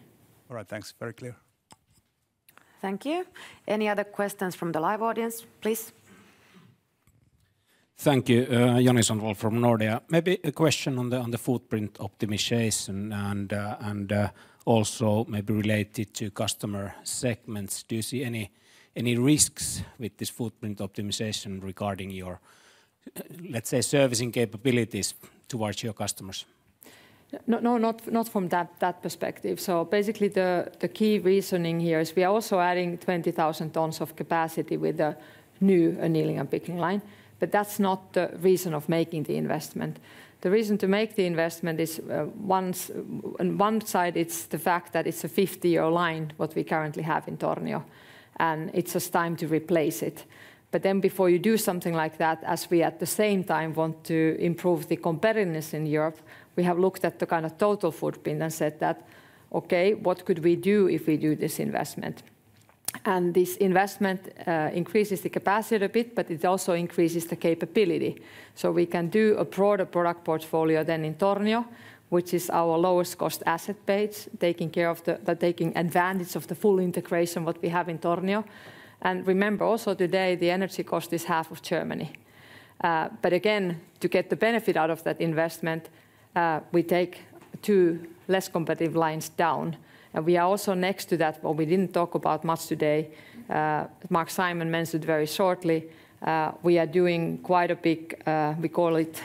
Speaker 10: All right, thanks. Very clear.
Speaker 1: Thank you. Any other questions from the live audience, please?
Speaker 11: Thank you. Joni Sandvall from Nordea. Maybe a question on the footprint optimization and also maybe related to customer segments. Do you see any risks with this footprint optimization regarding your, let's say, servicing capabilities towards your customers?
Speaker 3: No, not from that perspective. Basically, the key reasoning here is we are also adding 20,000 tons of capacity with the new annealing and pickling line. That's not the reason of making the investment. The reason to make the investment is one side, it's the fact that it's a 50-year line, what we currently have in Tornio, and it's just time to replace it. Before you do something like that, as we at the same time want to improve the competitiveness in Europe, we have looked at the kind of total footprint and said that, okay, what could we do if we do this investment? This investment increases the capacity a bit, but it also increases the capability. We can do a broader product portfolio than in Tornio, which is our lowest cost asset base, taking advantage of the full integration of what we have in Tornio. Remember also today, the energy cost is half of Germany. Again, to get the benefit out of that investment, we take two less competitive lines down. We are also, next to that, what we did not talk about much today, Marc-Simon mentioned very shortly, we are doing quite a big, we call it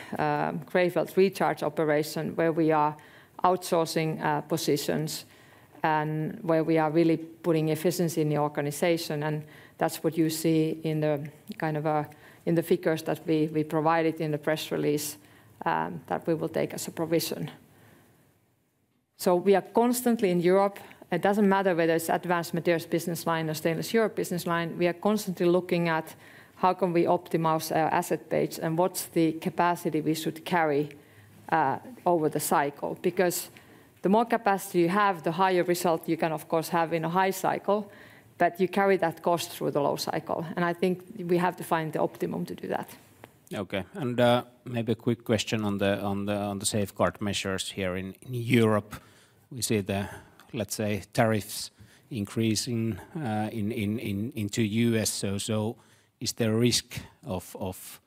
Speaker 3: grayfield recharge operation, where we are outsourcing positions and where we are really putting efficiency in the organization. That is what you see in the figures that we provided in the press release that we will take as a provision. We are constantly in Europe. It does not matter whether it is advanced materials business line or stainless Europe business line. We are constantly looking at how can we optimize our asset base and what is the capacity we should carry over the cycle. Because the more capacity you have, the higher result you can, of course, have in a high cycle, but you carry that cost through the low cycle. I think we have to find the optimum to do that.
Speaker 11: Okay. Maybe a quick question on the safeguard measures here in Europe. We see the, let's say, tariffs increasing into the U.S. Is there a risk of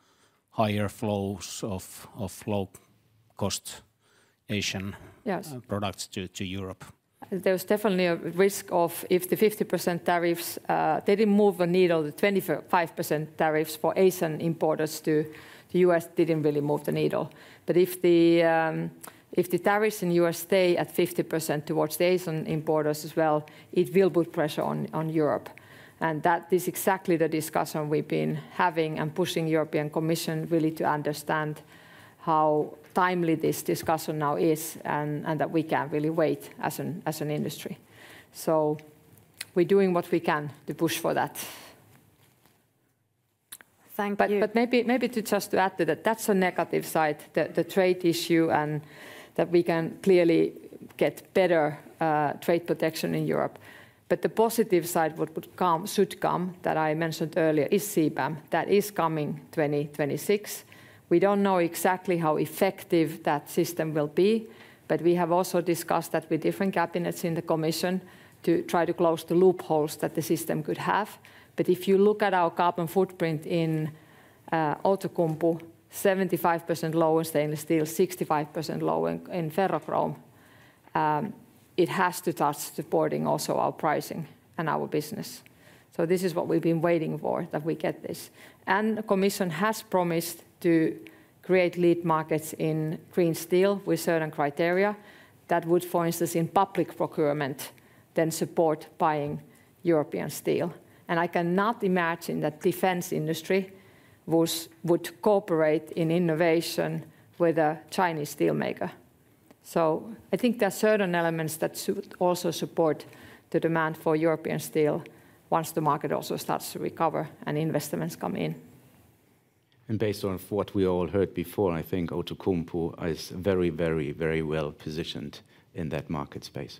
Speaker 11: higher flows of low-cost Asian products to Europe?
Speaker 3: There's definitely a risk if the 50% tariffs, they didn't move the needle, the 25% tariffs for ASEAN importers to the U.S. didn't really move the needle. If the tariffs in the U.S. stay at 50% towards the ASEAN importers as well, it will put pressure on Europe. That is exactly the discussion we've been having and pushing the European Commission really to understand how timely this discussion now is and that we can't really wait as an industry. We're doing what we can to push for that.
Speaker 1: Thank you.
Speaker 3: Maybe just to add to that, that's a negative side, the trade issue and that we can clearly get better trade protection in Europe. The positive side that should come that I mentioned earlier is CBAM that is coming 2026. We do not know exactly how effective that system will be, but we have also discussed that with different cabinets in the Commission to try to close the loopholes that the system could have. If you look at our carbon footprint in Outokumpu, 75% low in stainless steel, 65% low in ferrochrome, it has to start supporting also our pricing and our business. This is what we've been waiting for, that we get this. The Commission has promised to create lead markets in green steel with certain criteria that would, for instance, in public procurement, then support buying European steel. I cannot imagine that the defense industry would cooperate in innovation with a Chinese steelmaker. I think there are certain elements that should also support the demand for European steel once the market also starts to recover and investments come in.
Speaker 9: Based on what we all heard before, I think Outokumpu is very, very, very well positioned in that market space.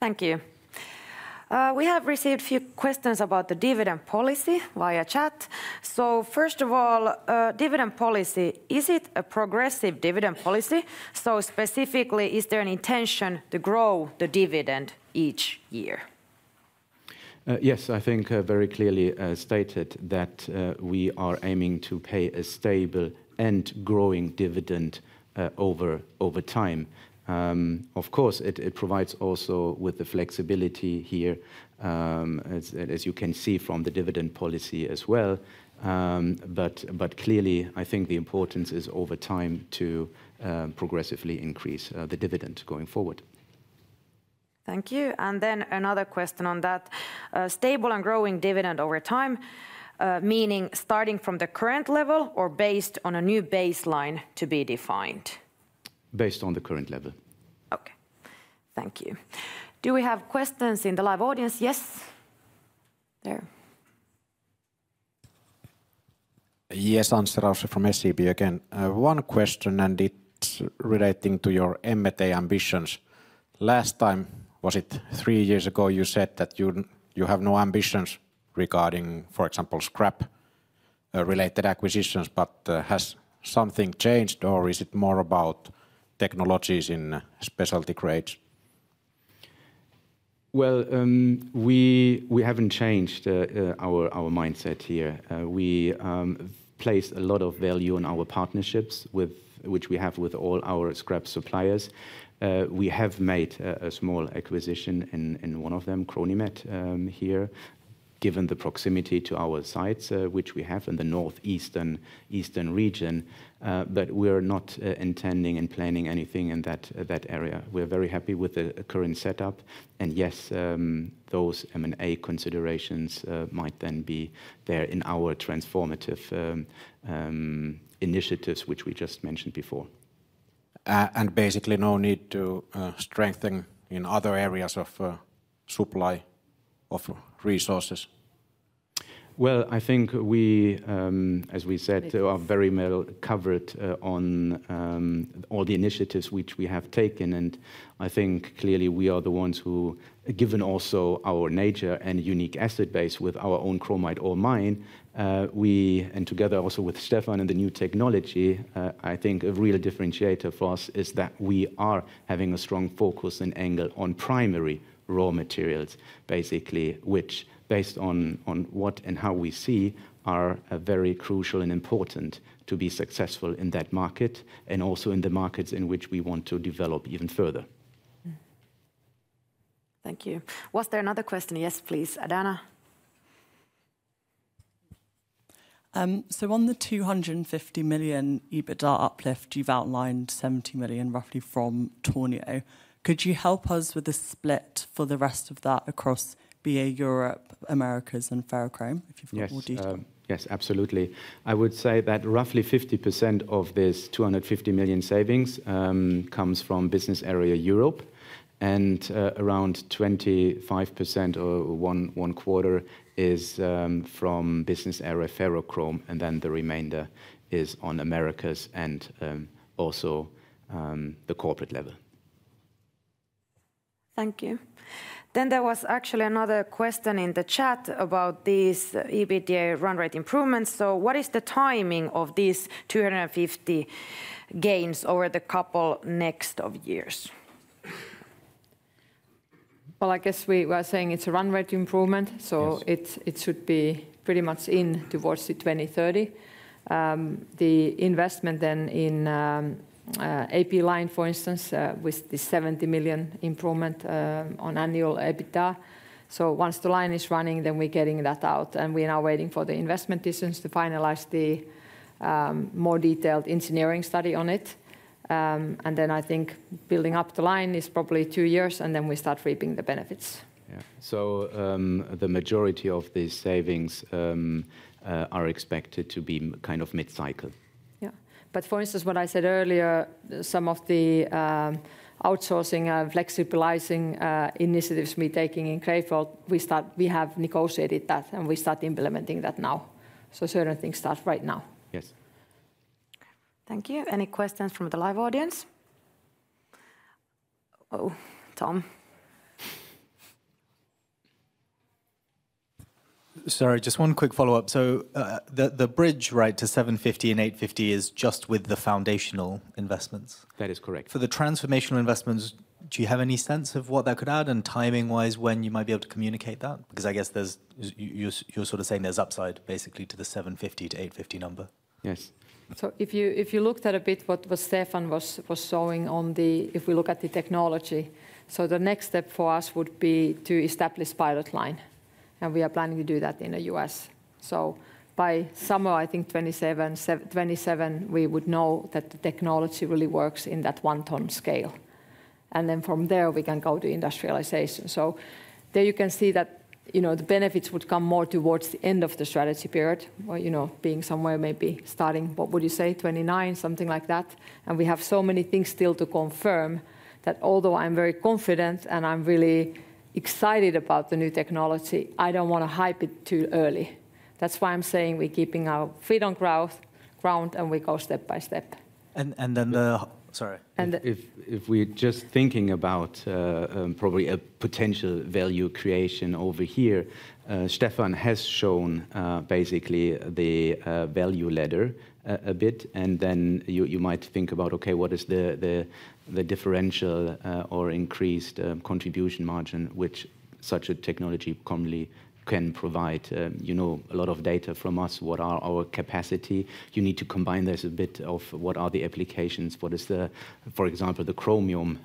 Speaker 1: Thank you. We have received a few questions about the dividend policy via chat. First of all, dividend policy, is it a progressive dividend policy? Specifically, is there an intention to grow the dividend each year?
Speaker 9: Yes, I think very clearly stated that we are aiming to pay a stable and growing dividend over time. Of course, it provides also with the flexibility here, as you can see from the dividend policy as well. I think the importance is over time to progressively increase the dividend going forward.
Speaker 1: Thank you. Another question on that. Stable and growing dividend over time, meaning starting from the current level or based on a new baseline to be defined?
Speaker 9: Based on the current level.
Speaker 1: Okay. Thank you. Do we have questions in the live audience? Yes. There.
Speaker 6: Yes, Anssi Raussi from SEB again. One question, and it is relating to your M&A ambitions. Last time, was it three years ago, you said that you have no ambitions regarding, for example, scrap-related acquisitions, but has something changed, or is it more about technologies in specialty grades?
Speaker 9: We have not changed our mindset here. We place a lot of value on our partnerships with which we have with all our scrap suppliers. We have made a small acquisition in one of them, CRONIMET, here, given the proximity to our sites, which we have in the northeastern region. We are not intending and planning anything in that area. We are very happy with the current setup. Yes, those M&A considerations might then be there in our transformative initiatives, which we just mentioned before.
Speaker 6: Basically, no need to strengthen in other areas of supply of resources?
Speaker 9: I think we, as we said, are very well covered on all the initiatives which we have taken. I think clearly we are the ones who, given also our nature and unique asset base with our own chromite ore mine, we and together also with Stefan and the new technology, I think a real differentiator for us is that we are having a strong focus and angle on primary raw materials, basically, which, based on what and how we see, are very crucial and important to be successful in that market and also in the markets in which we want to develop even further.
Speaker 1: Thank you. Was there another question? Yes, please. Adahna.
Speaker 7: On the 250 million EBITDA uplift, you have outlined 70 million, roughly from Tornio. Could you help us with the split for the rest of that across BA Europe, Americas, and ferrochrome if you have got more detail?
Speaker 9: Yes, absolutely. I would say that roughly 50% of this 250 million savings comes from business area Europe, and around 25% or 1/4 is from business area ferrochrome, and then the remainder is on Americas and also the corporate level.
Speaker 1: Thank you. There was actually another question in the chat about these EBITDA run rate improvements. What is the timing of these 250 million gains over the couple next years?
Speaker 3: I guess we were saying it's a run rate improvement, so it should be pretty much in towards 2030. The investment then in AP line, for instance, with the 70 million improvement on annual EBITDA. Once the line is running, then we're getting that out, and we are now waiting for the investment decisions to finalize the more detailed engineering study on it. I think building up the line is probably two years, and then we start reaping the benefits.
Speaker 9: Yeah. The majority of these savings are expected to be kind of mid-cycle.
Speaker 3: Yeah. For instance, what I said earlier, some of the outsourcing and flexibilizing initiatives we are taking in Krefeld, we have negotiated that, and we start implementing that now. Certain things start right now.
Speaker 9: Yes.
Speaker 1: Thank you. Any questions from the live audience? Oh, Tom.
Speaker 5: Sorry, just one quick follow-up. The bridge right to 750 million and 850 million is just with the foundational investments.
Speaker 9: That is correct.
Speaker 5: For the transformational investments, do you have any sense of what that could add and timing-wise when you might be able to communicate that? Because I guess you are sort of saying there is upside basically to the 750 million-850 million number.
Speaker 9: Yes.
Speaker 3: If you looked at a bit what Stefan was showing on the, if we look at the technology, the next step for us would be to establish pilot line. We are planning to do that in the U.S. By summer 2027, I think we would know that the technology really works in that one-ton scale. From there, we can go to industrialization. There you can see that the benefits would come more towards the end of the strategy period, being somewhere maybe starting, what would you say, 2029, something like that. We have so many things still to confirm that although I'm very confident and I'm really excited about the new technology, I do not want to hype it too early. That is why I'm saying we're keeping our feet on ground and we go step by step.
Speaker 5: Sorry,
Speaker 9: if we're just thinking about probably a potential value creation over here, Stefan has shown basically the value ladder a bit. You might think about, okay, what is the differential or increased contribution margin which such a technology commonly can provide? You know a lot of data from us, what are our capacity? You need to combine this a bit with what are the applications, what is the, for example, the chromium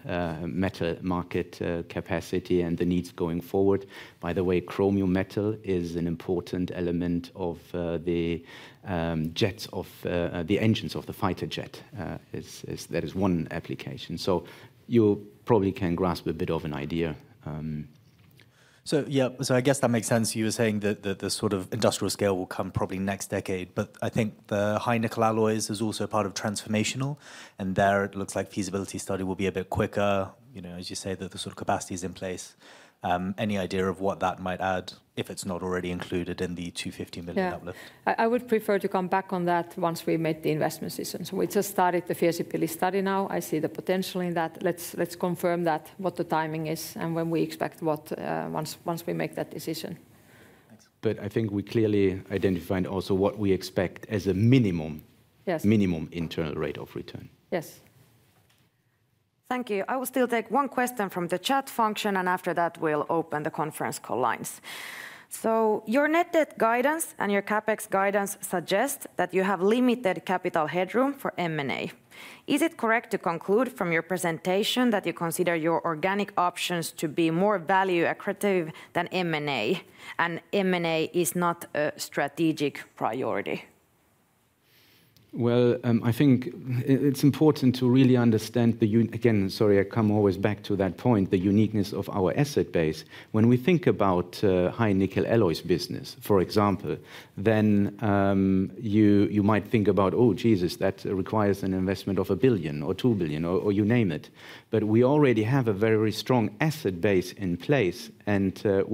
Speaker 9: metal market capacity and the needs going forward. By the way, chromium metal is an important element of the jets of the engines of the fighter jet. That is one application. You probably can grasp a bit of an idea.
Speaker 5: I guess that makes sense. You were saying that the sort of industrial scale will come probably next decade, but I think the high-nickel alloys is also part of transformational. There it looks like feasibility study will be a bit quicker, as you say, that the sort of capacity is in place. Any idea of what that might add if it's not already included in the 250 million level?
Speaker 3: Yeah, I would prefer to come back on that once we make the investment decision. We just started the feasibility study now. I see the potential in that. Let's confirm that, what the timing is and when we expect what once we make that decision.
Speaker 9: I think we clearly identified also what we expect as a minimum internal rate of return.
Speaker 3: Yes.
Speaker 1: Thank you. I will still take one question from the chat function, and after that, we'll open the conference call lines. Your net debt guidance and your CapEx guidance suggest that you have limited capital headroom for M&A. Is it correct to conclude from your presentation that you consider your organic options to be more value-accretive than M&A and M&A is not a strategic priority?
Speaker 9: I think it's important to really understand the, again, sorry, I come always back to that point, the uniqueness of our asset base. When we think about high-nickel alloys business, for example, then you might think about, oh Jesus, that requires an investment of a 1 billion or 2 billion or you name it. We already have a very, very strong asset base in place. We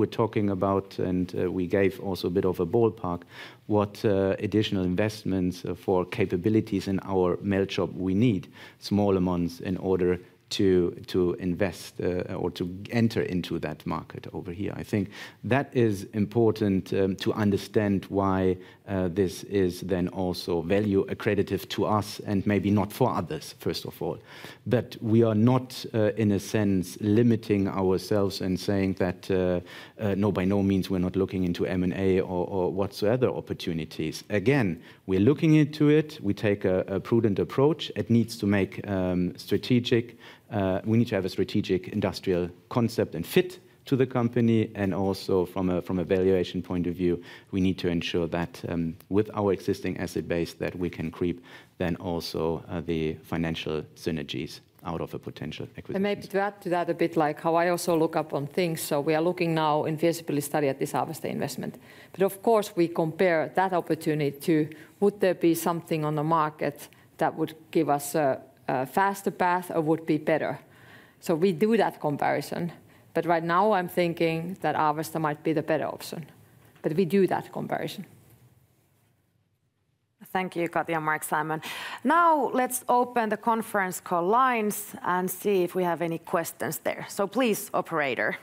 Speaker 9: are talking about, and we gave also a bit of a ballpark, what additional investments for capabilities in our melt shop we need, small amounts in order to invest or to enter into that market over here. I think that is important to understand why this is then also value-accretive to us and maybe not for others, first of all. We are not, in a sense, limiting ourselves and saying that by no means we are not looking into M&A or whatsoever opportunities. Again, we are looking into it. We take a prudent approach. It needs to make strategic sense. We need to have a strategic industrial concept and fit to the company. Also, from a valuation point of view, we need to ensure that with our existing asset base we can reap then also the financial synergies out of a potential equity.
Speaker 3: Maybe to that, to that a bit like how I also look up on things. We are looking now in feasibility study at this Harvester Investment. Of course, we compare that opportunity to would there be something on the market that would give us a faster path or would be better. We do that comparison. Right now I'm thinking that Harvester might be the better option. We do that comparison.
Speaker 1: Thank you, Kati and Marc-Simon. Now let's open the conference call lines and see if we have any questions there. Please, operator.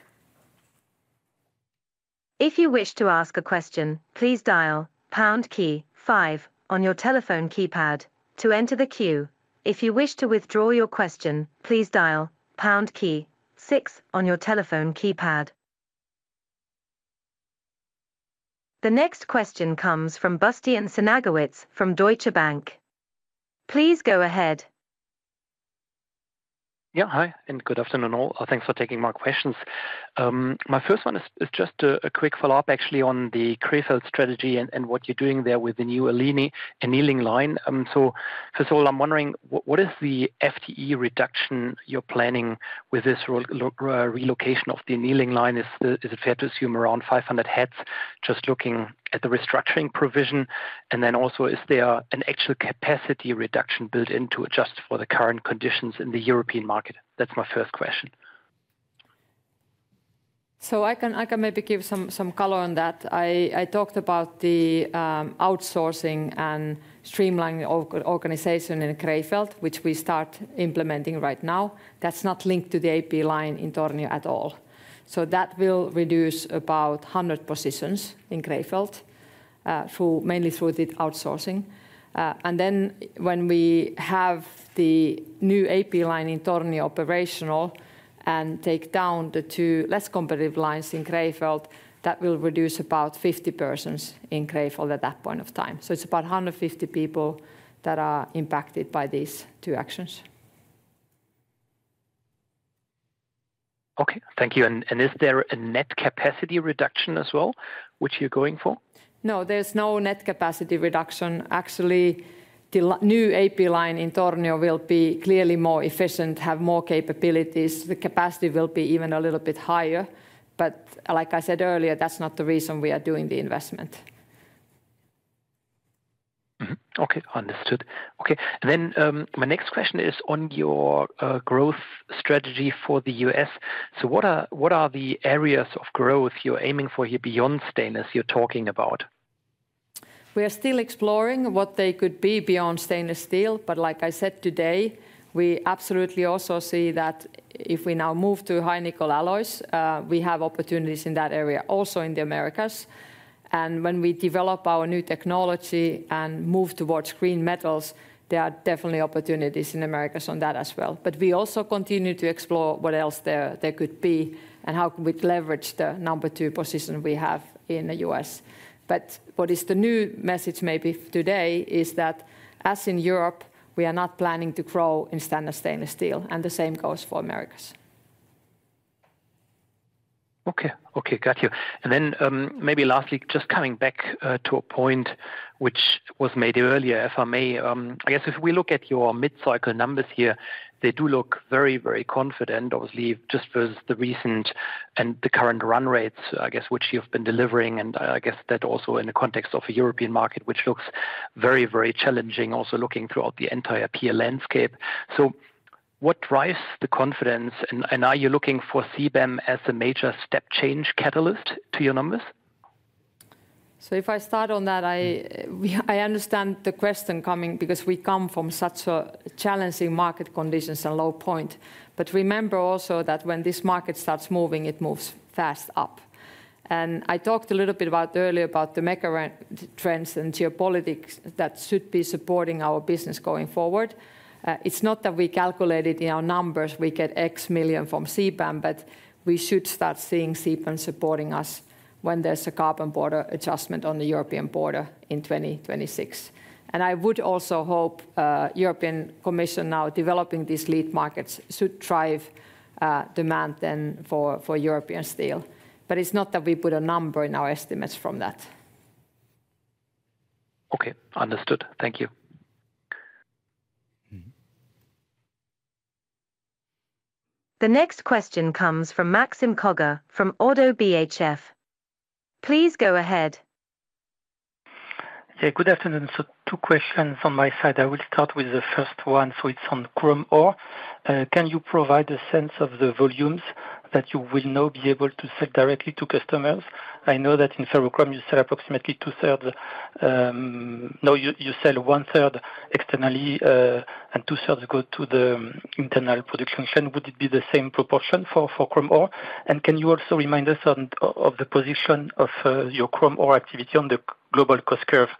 Speaker 12: If you wish to ask a question, please dial pound key five on your telephone keypad to enter the queue. If you wish to withdraw your question, please dial pound key six on your telephone keypad. The next question comes from Bastian Synagowitz from Deutsche Bank. Please go ahead.
Speaker 13: Yeah, hi and good afternoon all. Thanks for taking my questions. My first one is just a quick follow-up actually on the Krefeld strategy and what you're doing there with the new annealing line. First of all, I'm wondering what is the FTE reduction you're planning with this relocation of the annealing line? Is it fair to assume around 500 heads just looking at the restructuring provision? Also, is there an actual capacity reduction built into it just for the current conditions in the European market? That's my first question.
Speaker 3: I can maybe give some color on that. I talked about the outsourcing and streamlining organization in Krefeld, which we start implementing right now. That's not linked to the AP line in Tornio at all. That will reduce about 100 positions in Krefeld, mainly through the outsourcing. Then when we have the new AP line in Tornio operational and take down the two less competitive lines in Krefeld, that will reduce about 50 persons in Krefeld at that point of time. It is about 150 people that are impacted by these two actions.
Speaker 13: Okay, thank you. Is there a net capacity reduction as well, which you are going for?
Speaker 3: No, there is no net capacity reduction. Actually, the new AP line in Tornio will be clearly more efficient, have more capabilities. The capacity will be even a little bit higher. Like I said earlier, that is not the reason we are doing the investment.
Speaker 13: Okay, understood. My next question is on your growth strategy for the U.S. What are the areas of growth you are aiming for here beyond stainless you are talking about?
Speaker 3: We are still exploring what they could be beyond stainless steel. Like I said today, we absolutely also see that if we now move to high-nickel alloys, we have opportunities in that area also in the Americas. When we develop our new technology and move towards green metals, there are definitely opportunities in the Am.ericas on that as well. We also continue to explore what else there could be and how we can leverage the number two position we have in the U.S. What is the new message maybe today is that as in Europe, we are not planning to grow in standard stainless steel. The same goes for Americas.
Speaker 13: Okay, okay, got you. And then maybe lastly, just coming back to a point which was made earlier, if I may, I guess if we look at your mid-cycle numbers here, they do look very, very confident, obviously, just versus the recent and the current run rates, I guess, which you've been delivering. I guess that also in the context of a European market, which looks very, very challenging, also looking throughout the entire PA landscape. What drives the confidence? Are you looking for CBAM as a major step change catalyst to your numbers?
Speaker 3: If I start on that, I understand the question coming because we come from such challenging market conditions and low point. Remember also that when this market starts moving, it moves fast up. I talked a little bit earlier about the macro trends and geopolitics that should be supporting our business going forward. It's not that we calculate it in our numbers, we get X million from CBAM, but we should start seeing CBAM supporting us when there's a carbon border adjustment on the European border in 2026. I would also hope the European Commission now developing these lead markets should drive demand then for European steel. It's not that we put a number in our estimates from that.
Speaker 13: Okay, understood. Thank you.
Speaker 12: The next question comes from Maxime Kogge from ODDO BHF. Please go ahead.
Speaker 14: Yeah, good afternoon. Two questions on my side. I will start with the first one. It's on chrome ore. Can you provide a sense of the volumes that you will now be able to sell directly to customers? I know that in ferrochrome, you sell approximately 1/3 externally and 2/3 go to the internal production chain. Would it be the same proportion for chrome ore? And can you also remind us of the position of your chrome ore activity on the global cost curve?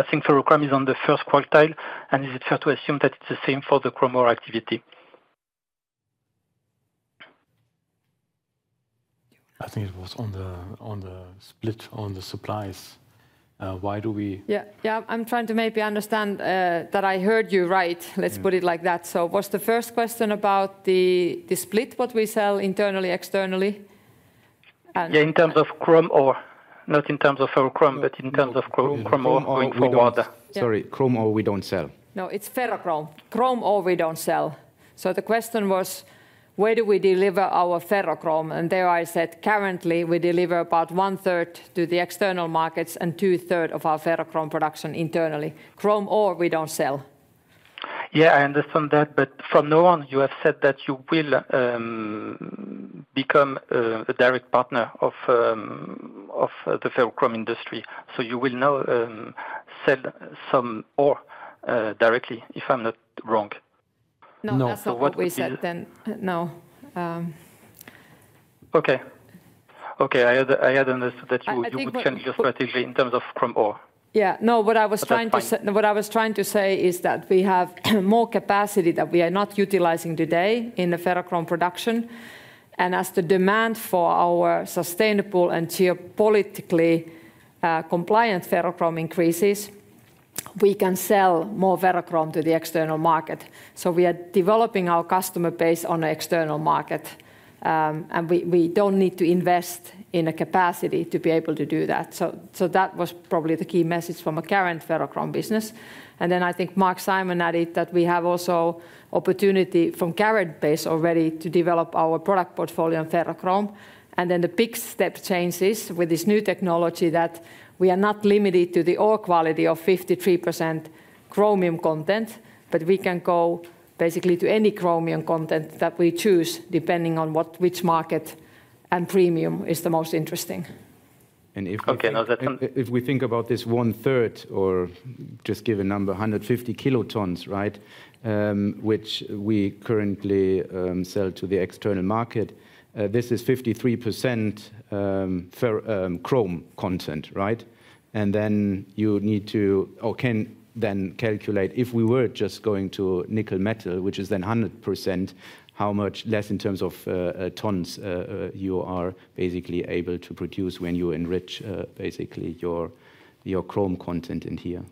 Speaker 14: I think ferrochrome is on the first quartile, and is it fair to assume that it's the same for the chrome ore activity?
Speaker 4: I think it was on the split on the supplies. Why do we?
Speaker 3: Yeah, I'm trying to maybe understand that I heard you right. Let's put it like that. Was the first question about the split, what we sell internally, externally?
Speaker 14: Yeah, in terms of chrome ore, not in terms of ferrochrome, but in terms of chrome ore going forward.
Speaker 9: Sorry, chrome ore we don't sell.
Speaker 3: No, it's ferrochrome. Chrome ore we don't sell. The question was, where do we deliver our ferrochrome? Currently we deliver about 1/3 to the external markets and 2/3 of our ferrochrome production internally. Chrome ore we do not sell.
Speaker 14: Yeah, I understand that. From now on, you have said that you will become a direct partner of the ferrochrome industry. You will now sell some ore directly, if I am not wrong.
Speaker 3: No, that is not what we said. No.
Speaker 14: Okay. I had understood that you would change your strategy in terms of chrome ore.
Speaker 3: No, what I was trying to say is that we have more capacity that we are not utilizing today in the ferrochrome production. As the demand for our sustainable and geopolitically compliant ferrochrome increases, we can sell more ferrochrome to the external market. We are developing our customer base on the external market, and we do not need to invest in capacity to be able to do that. That was probably the key message from our current ferrochrome business. I think Marc-Simon added that we have also opportunity from current base already to develop our product portfolio on ferrochrome. The big step change is with this new technology that we are not limited to the ore quality of 53% chromium content, but we can go basically to any chromium content that we choose depending on which market and premium is the most interesting.
Speaker 9: If we think about this 1/3, or just give a number, 150 kilotons, which we currently sell to the external market, this is 53% chrome content, right? You need to, or can then calculate if we were just going to nickel metal, which is then 100%, how much less in terms of tons you are basically able to produce when you enrich basically your chrome content in here.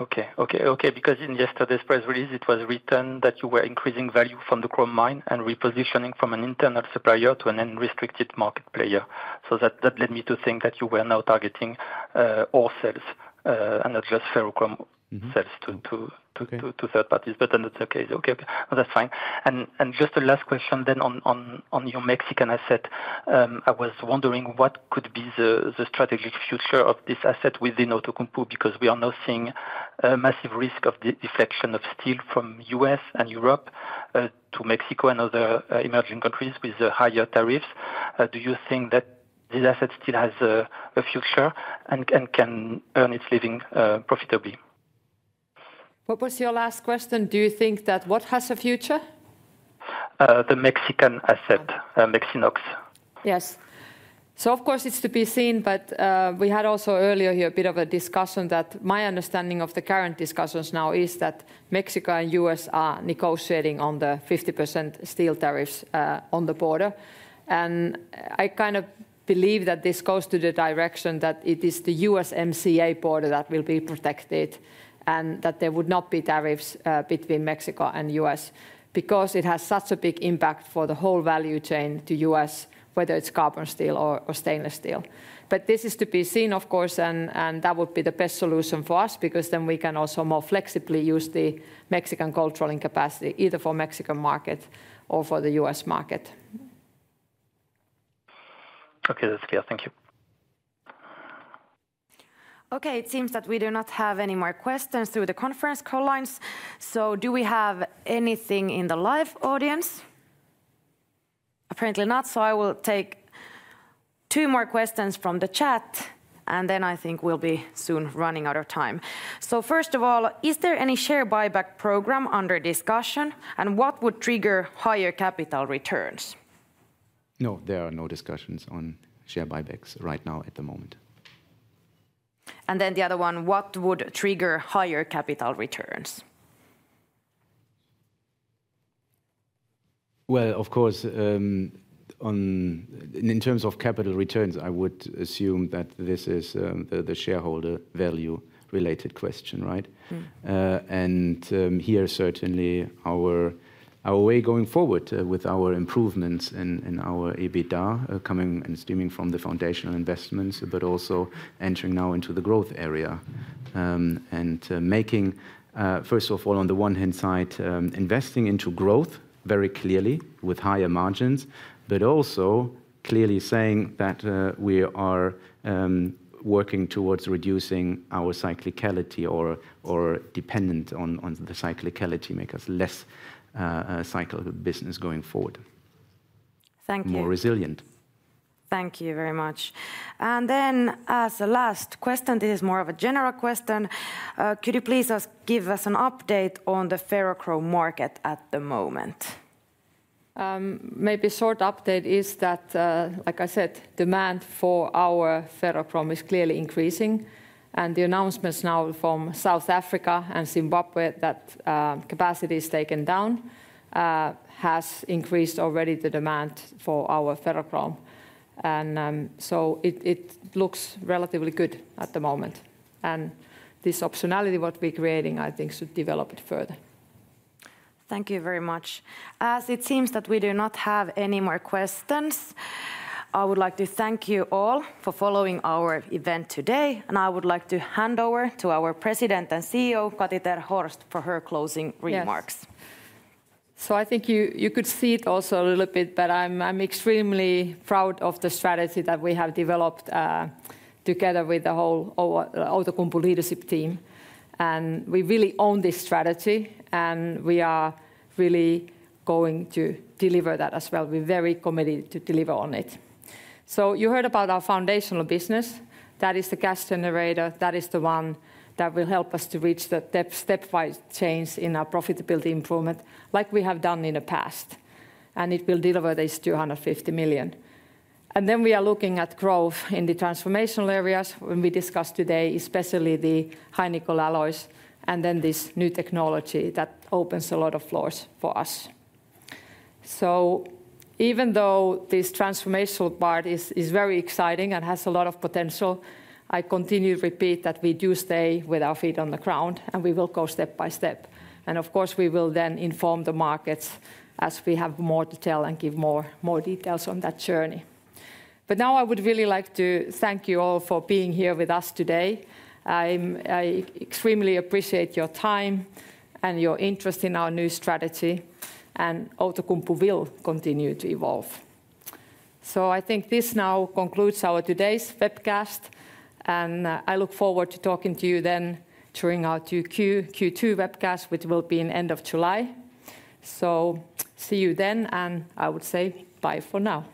Speaker 14: Okay, okay. Because in yesterday's press release, it was written that you were increasing value from the chrome mine and repositioning from an internal supplier to an unrestricted market player. That led me to think that you were now targeting ore sales and not just ferrochrome sales to third parties. That's fine. Just a last question then on your Mexican asset. I was wondering what could be the strategic future of this asset within Outokumpu because we are now seeing a massive risk of deflection of steel from the U.S. and Europe to Mexico and other emerging countries with higher tariffs. Do you think that this asset still has a future and can earn its living profitably?
Speaker 3: What was your last question? Do you think that what has a future?
Speaker 14: The Mexican asset, Mexinox.
Speaker 3: Yes. Of course, it's to be seen, but we had also earlier here a bit of a discussion that my understanding of the current discussions now is that Mexico and the U.S. are negotiating on the 50% steel tariffs on the border. I kind of believe that this goes to the direction that it is the U.S. MCA Border that will be protected and that there would not be tariffs between Mexico and the U.S. because it has such a big impact for the whole value chain to the U.S., whether it's carbon steel or stainless steel. This is to be seen, of course, and that would be the best solution for us because then we can also more flexibly use the Mexican cold rolling capacity either for the Mexican market or for the U.S. market.
Speaker 14: Okay, that's clear. Thank you.
Speaker 1: It seems that we do not have any more questions through the conference call lines. Do we have anything in the live audience? Apparently not. I will take two more questions from the chat, and then I think we'll be soon running out of time. First of all, is there any share buyback program under discussion? And what would trigger higher capital returns?
Speaker 9: No, there are no discussions on share buybacks right now at the moment.
Speaker 1: The other one, what would trigger higher capital returns?
Speaker 9: Of course, in terms of capital returns, I would assume that this is the shareholder value-related question, right? Here certainly our way going forward with our improvements and our EBITDA coming and streaming from the foundational investments, but also entering now into the growth area and making, first of all, on the one hand side, investing into growth very clearly with higher margins, but also clearly saying that we are working towards reducing our cyclicality or dependence on the cyclicality makes us less cycle business going forward.
Speaker 1: Thank you.
Speaker 9: More resilient.
Speaker 1: Thank you very much. Then as a last question, this is more of a general question. Could you please give us an update on the ferrochrome market at the moment?
Speaker 3: Maybe a short update is that, like I said, demand for our ferrochrome is clearly increasing. The announcements now from South Africa and Zimbabwe that capacity is taken down has increased already the demand for our ferrochrome. It looks relatively good at the moment. This optionality what we're creating, I think, should develop it further.
Speaker 1: Thank you very much. As it seems that we do not have any more questions, I would like to thank you all for following our event today. I would like to hand over to our President and CEO, Kati ter Horst, for her closing remarks.
Speaker 3: I think you could see it also a little bit, but I'm extremely proud of the strategy that we have developed together with the whole Outokumpu leadership team. We really own this strategy, and we are really going to deliver that as well. We're very committed to deliver on it. You heard about our foundational business. That is the cash generator. That is the one that will help us to reach the stepwise change in our profitability improvement like we have done in the past. It will deliver these 250 million. We are looking at growth in the transformational areas when we discussed today, especially the high-nickel alloys and then this new technology that opens a lot of floors for us. Even though this transformational part is very exciting and has a lot of potential, I continue to repeat that we do stay with our feet on the ground and we will go step by step. Of course, we will then inform the markets as we have more to tell and give more details on that journey. I would really like to thank you all for being here with us today. I extremely appreciate your time and your interest in our new strategy. Outokumpu will continue to evolve. I think this now concludes our today's webcast. I look forward to talking to you then during our Q2 webcast, which will be in the end of July. See you then. I would say bye for now.